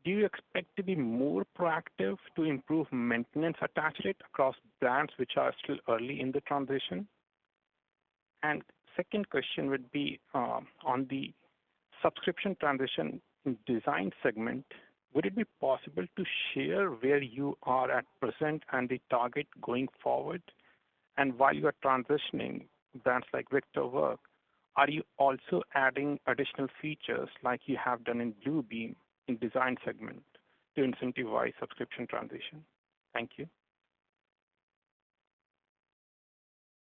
do you expect to be more proactive to improve maintenance attach rate across brands which are still early in the transition? And second question would be, on the subscription transition design segment, would it be possible to share where you are at present and the target going forward? And while you are transitioning brands like Vectorworks, are you also adding additional features like you have done in Bluebeam in design segment to incentivize subscription transition? Thank you.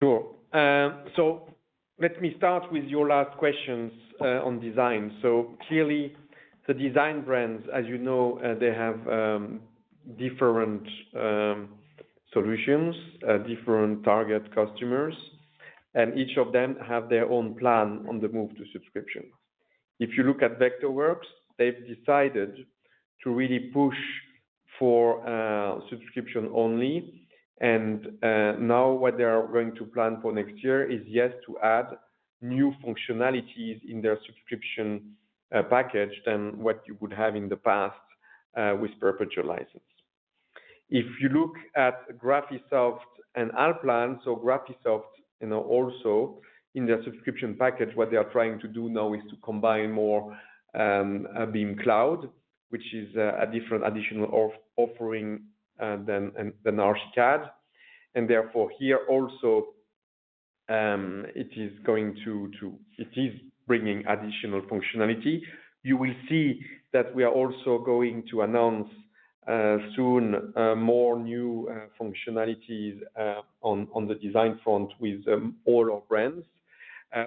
Sure. So let me start with your last questions on design. So clearly, the design brands, as you know, they have different solutions, different target customers, and each of them have their own plan on the move to subscription. If you look at Vectorworks, they've decided to really push for subscription only. And now what they are going to plan for next year is, yes, to add new functionalities in their subscription package than what you would have in the past with perpetual license. If you look at GRAPHISOFT and APLAN, so GRAPHISOFT, you know, also in their subscription package, what they are trying to do now is to combine more BIMcloud, which is a different additional offering than Archicad. And therefore, here also, it is going to... It is bringing additional functionality. You will see that we are also going to announce soon more new functionalities on the design front with all our brands,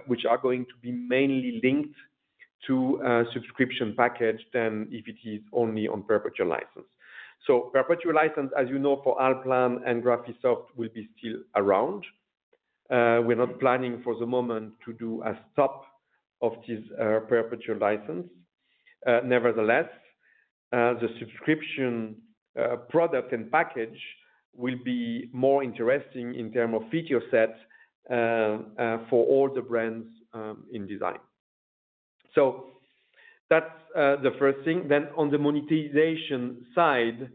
which are going to be mainly linked to a subscription package than if it is only on perpetual license. So perpetual license, as you know, for ALLPLAN and GRAPHISOFT will be still around. We're not planning for the moment to do a stop of this perpetual license. Nevertheless, the subscription product and package will be more interesting in term of feature set for all the brands in design. So that's the first thing. Then on the monetization side,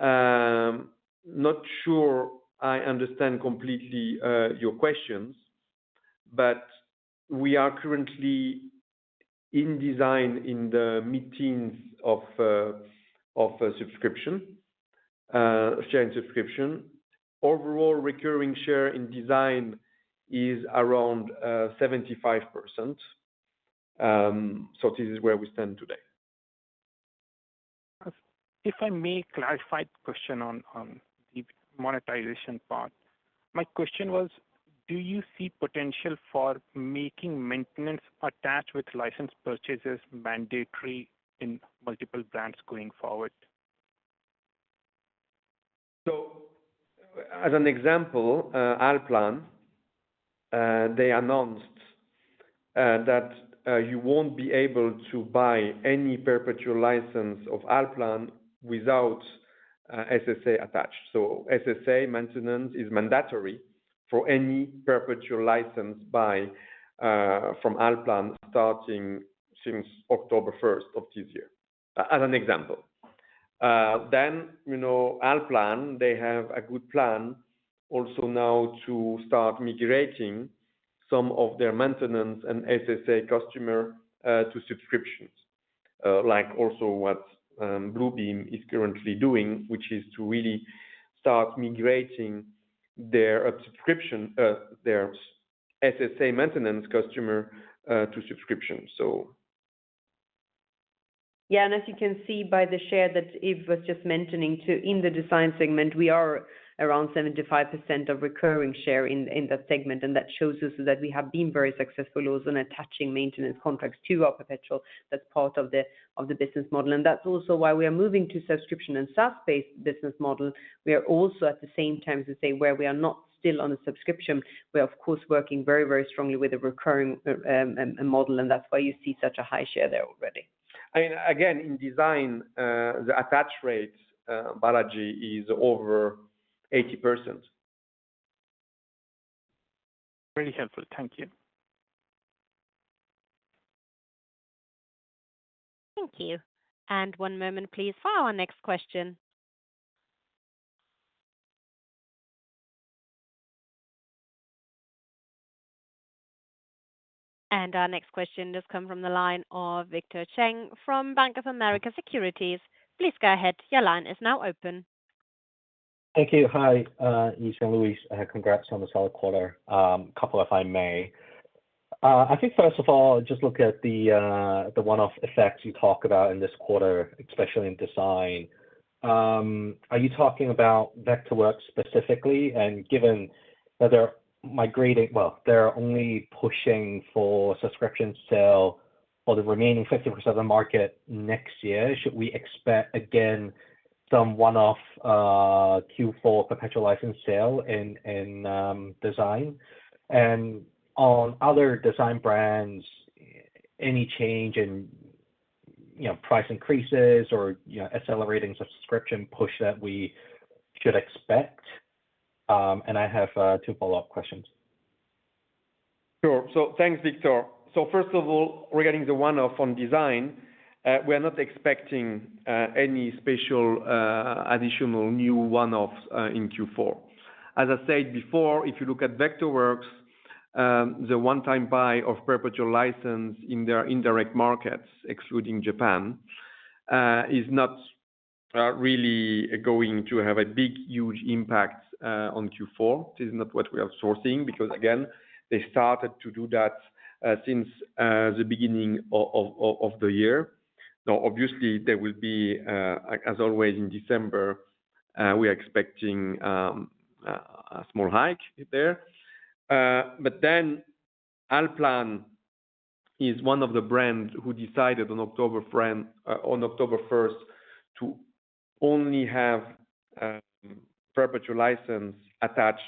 not sure I understand completely your questions, but we are currently in design in the meetings of of a subscription sharing subscription. Overall, recurring share in design is around 75%. So this is where we stand today. If I may clarify the question on the monetization part. My question was: Do you see potential for making maintenance attached with license purchases mandatory in multiple brands going forward? So, as an example, ALLPLAN, they announced that you won't be able to buy any perpetual license of ALLPLAN without SSA attached. So, SSA maintenance is mandatory for any perpetual license buy from ALLPLAN starting since October first of this year, as an example. Then, you know, ALLPLAN, they have a good plan also now to start migrating some of their maintenance and SSA customer to subscriptions. Like also what Bluebeam is currently doing, which is to really start migrating their subscription, their SSA maintenance customer to subscription. So- Yeah, and as you can see by the share that Yves was just mentioning too, in the design segment, we are around 75% of recurring share in, in that segment, and that shows us that we have been very successful also in attaching maintenance contracts to our perpetual. That's part of the, of the business model, and that's also why we are moving to subscription and SaaS-based business model. We are also, at the same time, to say, where we are not still on a subscription, we are of course, working very, very strongly with a recurring, model, and that's why you see such a high share there already. I mean, again, in design, the attach rate, Balaji, is over 80%. Really helpful. Thank you. Thank you. And one moment, please, for our next question. And our next question does come from the line of Victor Cheng from Bank of America Securities. Please go ahead. Your line is now open. Thank you. Hi, Yves and Louise. Congrats on the solid quarter. Couple, if I may. I think, first of all, just looking at the one-off effects you talked about in this quarter, especially in design. Are you talking about Vectorworks specifically? And given that they're migrating... Well, they're only pushing for subscription sale for the remaining 50% of the market next year. Should we expect again, some one-off Q4 perpetual license sale in design? And on other design brands, any change in, you know, price increases or, you know, accelerating subscription push that we should expect? And I have two follow-up questions. Sure. So thanks, Victor. So first of all, regarding the one-off on design, we are not expecting any special additional new one-offs in Q4. As I said before, if you look at Vectorworks, the one-time buy of perpetual license in their indirect markets, excluding Japan, is not really going to have a big, huge impact on Q4. This is not what we are sourcing, because, again, they started to do that since the beginning of the year. So obviously, there will be, as always in December, we are expecting a small hike there. But then ALLPLAN is one of the brands who decided on October first to only have perpetual license attached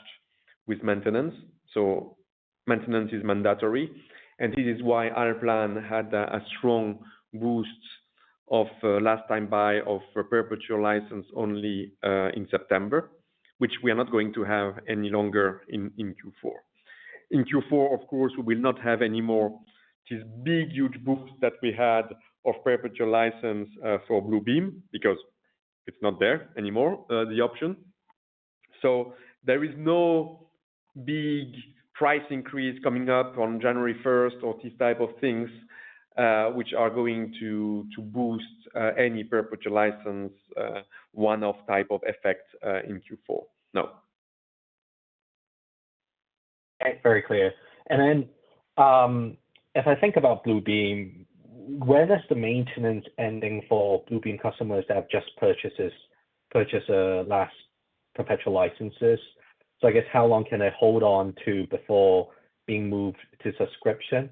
with maintenance. So maintenance is mandatory, and this is why ALLPLAN had a strong boost of last time buy of a perpetual license only in September, which we are not going to have any longer in Q4. In Q4, of course, we will not have any more this big huge boost that we had of perpetual license for Bluebeam because it's not there anymore the option. So there is no big price increase coming up on January first or this type of things which are going to boost any perpetual license one-off type of effect in Q4. No. Okay. Very clear. Then, if I think about Bluebeam, where does the maintenance ending for Bluebeam customers that have just purchased last perpetual licenses? So I guess, how long can they hold on to before being moved to subscription?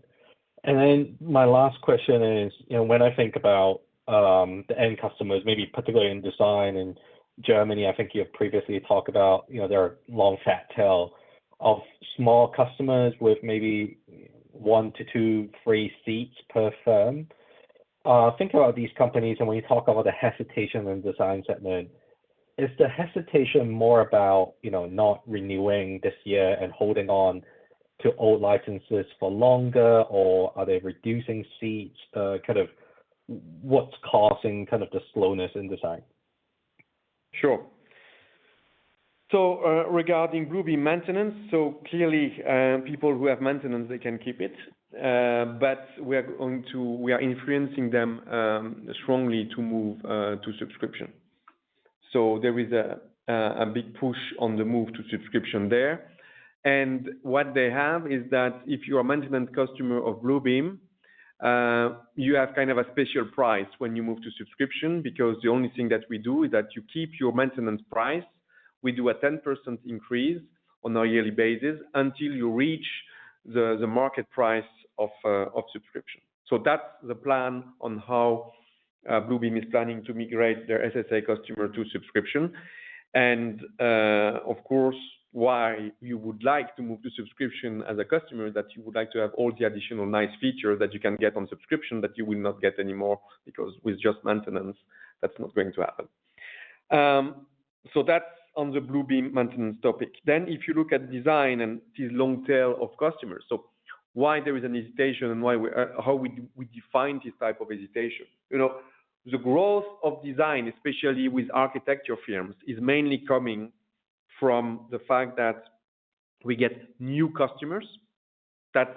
And then my last question is, you know, when I think about the end customers, maybe particularly in design in Germany, I think you have previously talked about, you know, there are long, fat tail of small customers with maybe 1 to 2, 3 seats per firm. Think about these companies, and when you talk about the hesitation in design segment, is the hesitation more about, you know, not renewing this year and holding on to old licenses for longer, or are they reducing seats? Kind of what's causing kind of the slowness in design? Sure. So, regarding Bluebeam maintenance, so clearly, people who have maintenance, they can keep it. But we are going to—we are influencing them strongly to move to subscription. So there is a big push on the move to subscription there. And what they have is that if you're a maintenance customer of Bluebeam, you have kind of a special price when you move to subscription, because the only thing that we do is that you keep your maintenance price. We do a 10% increase on a yearly basis until you reach the market price of subscription. So that's the plan on how Bluebeam is planning to migrate their SSA customer to subscription. Of course, why you would like to move to subscription as a customer, that you would like to have all the additional nice features that you can get on subscription that you will not get anymore, because with just maintenance, that's not going to happen. So that's on the Bluebeam maintenance topic. If you look at design and this long tail of customers, so why there is a hesitation and why we, how we, we define this type of hesitation. You know, the growth of design, especially with architecture firms, is mainly coming from the fact that we get new customers. That's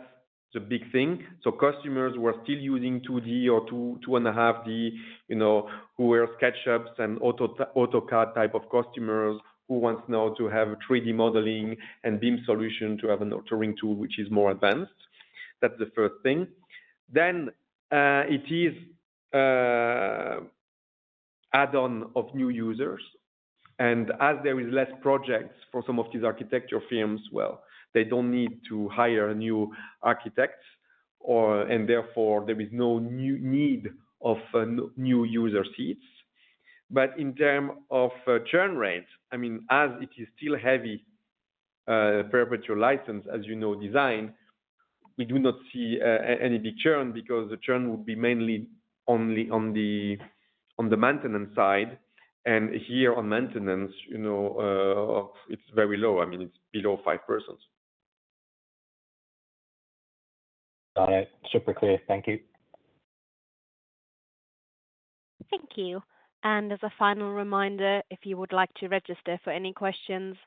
the big thing. So customers who are still using 2D or 2.5D, you know, who are SketchUp and AutoCAD type of customers, who want now to have a 3D modeling and BIM solution to have an annotation tool which is more advanced. That's the first thing. Then, it is add-on of new users, and as there is less projects for some of these architecture firms, well, they don't need to hire new architects or and therefore, there is no new need of new user seats. But in terms of churn rate, I mean, as it is still heavy perpetual license, as you know, design, we do not see any big churn because the churn would be mainly only on the maintenance side, and here on maintenance, you know, it's very low. I mean, it's below 5%. Got it. Super clear. Thank you. Thank you. As a final reminder, if you would like to register for any questions,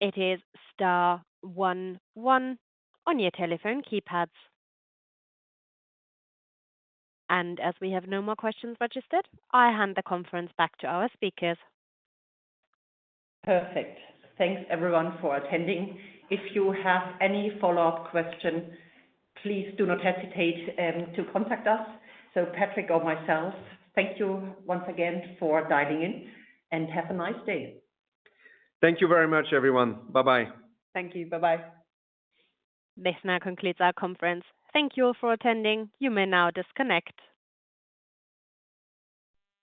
it is star one one on your telephone keypads. As we have no more questions registered, I hand the conference back to our speakers. Perfect. Thanks, everyone, for attending. If you have any follow-up question, please do not hesitate to contact us. So Patrick or myself, thank you once again for dialing in, and have a nice day. Thank you very much, everyone. Bye-bye. Thank you. Bye-bye. This now concludes our conference. Thank you all for attending. You may now disconnect.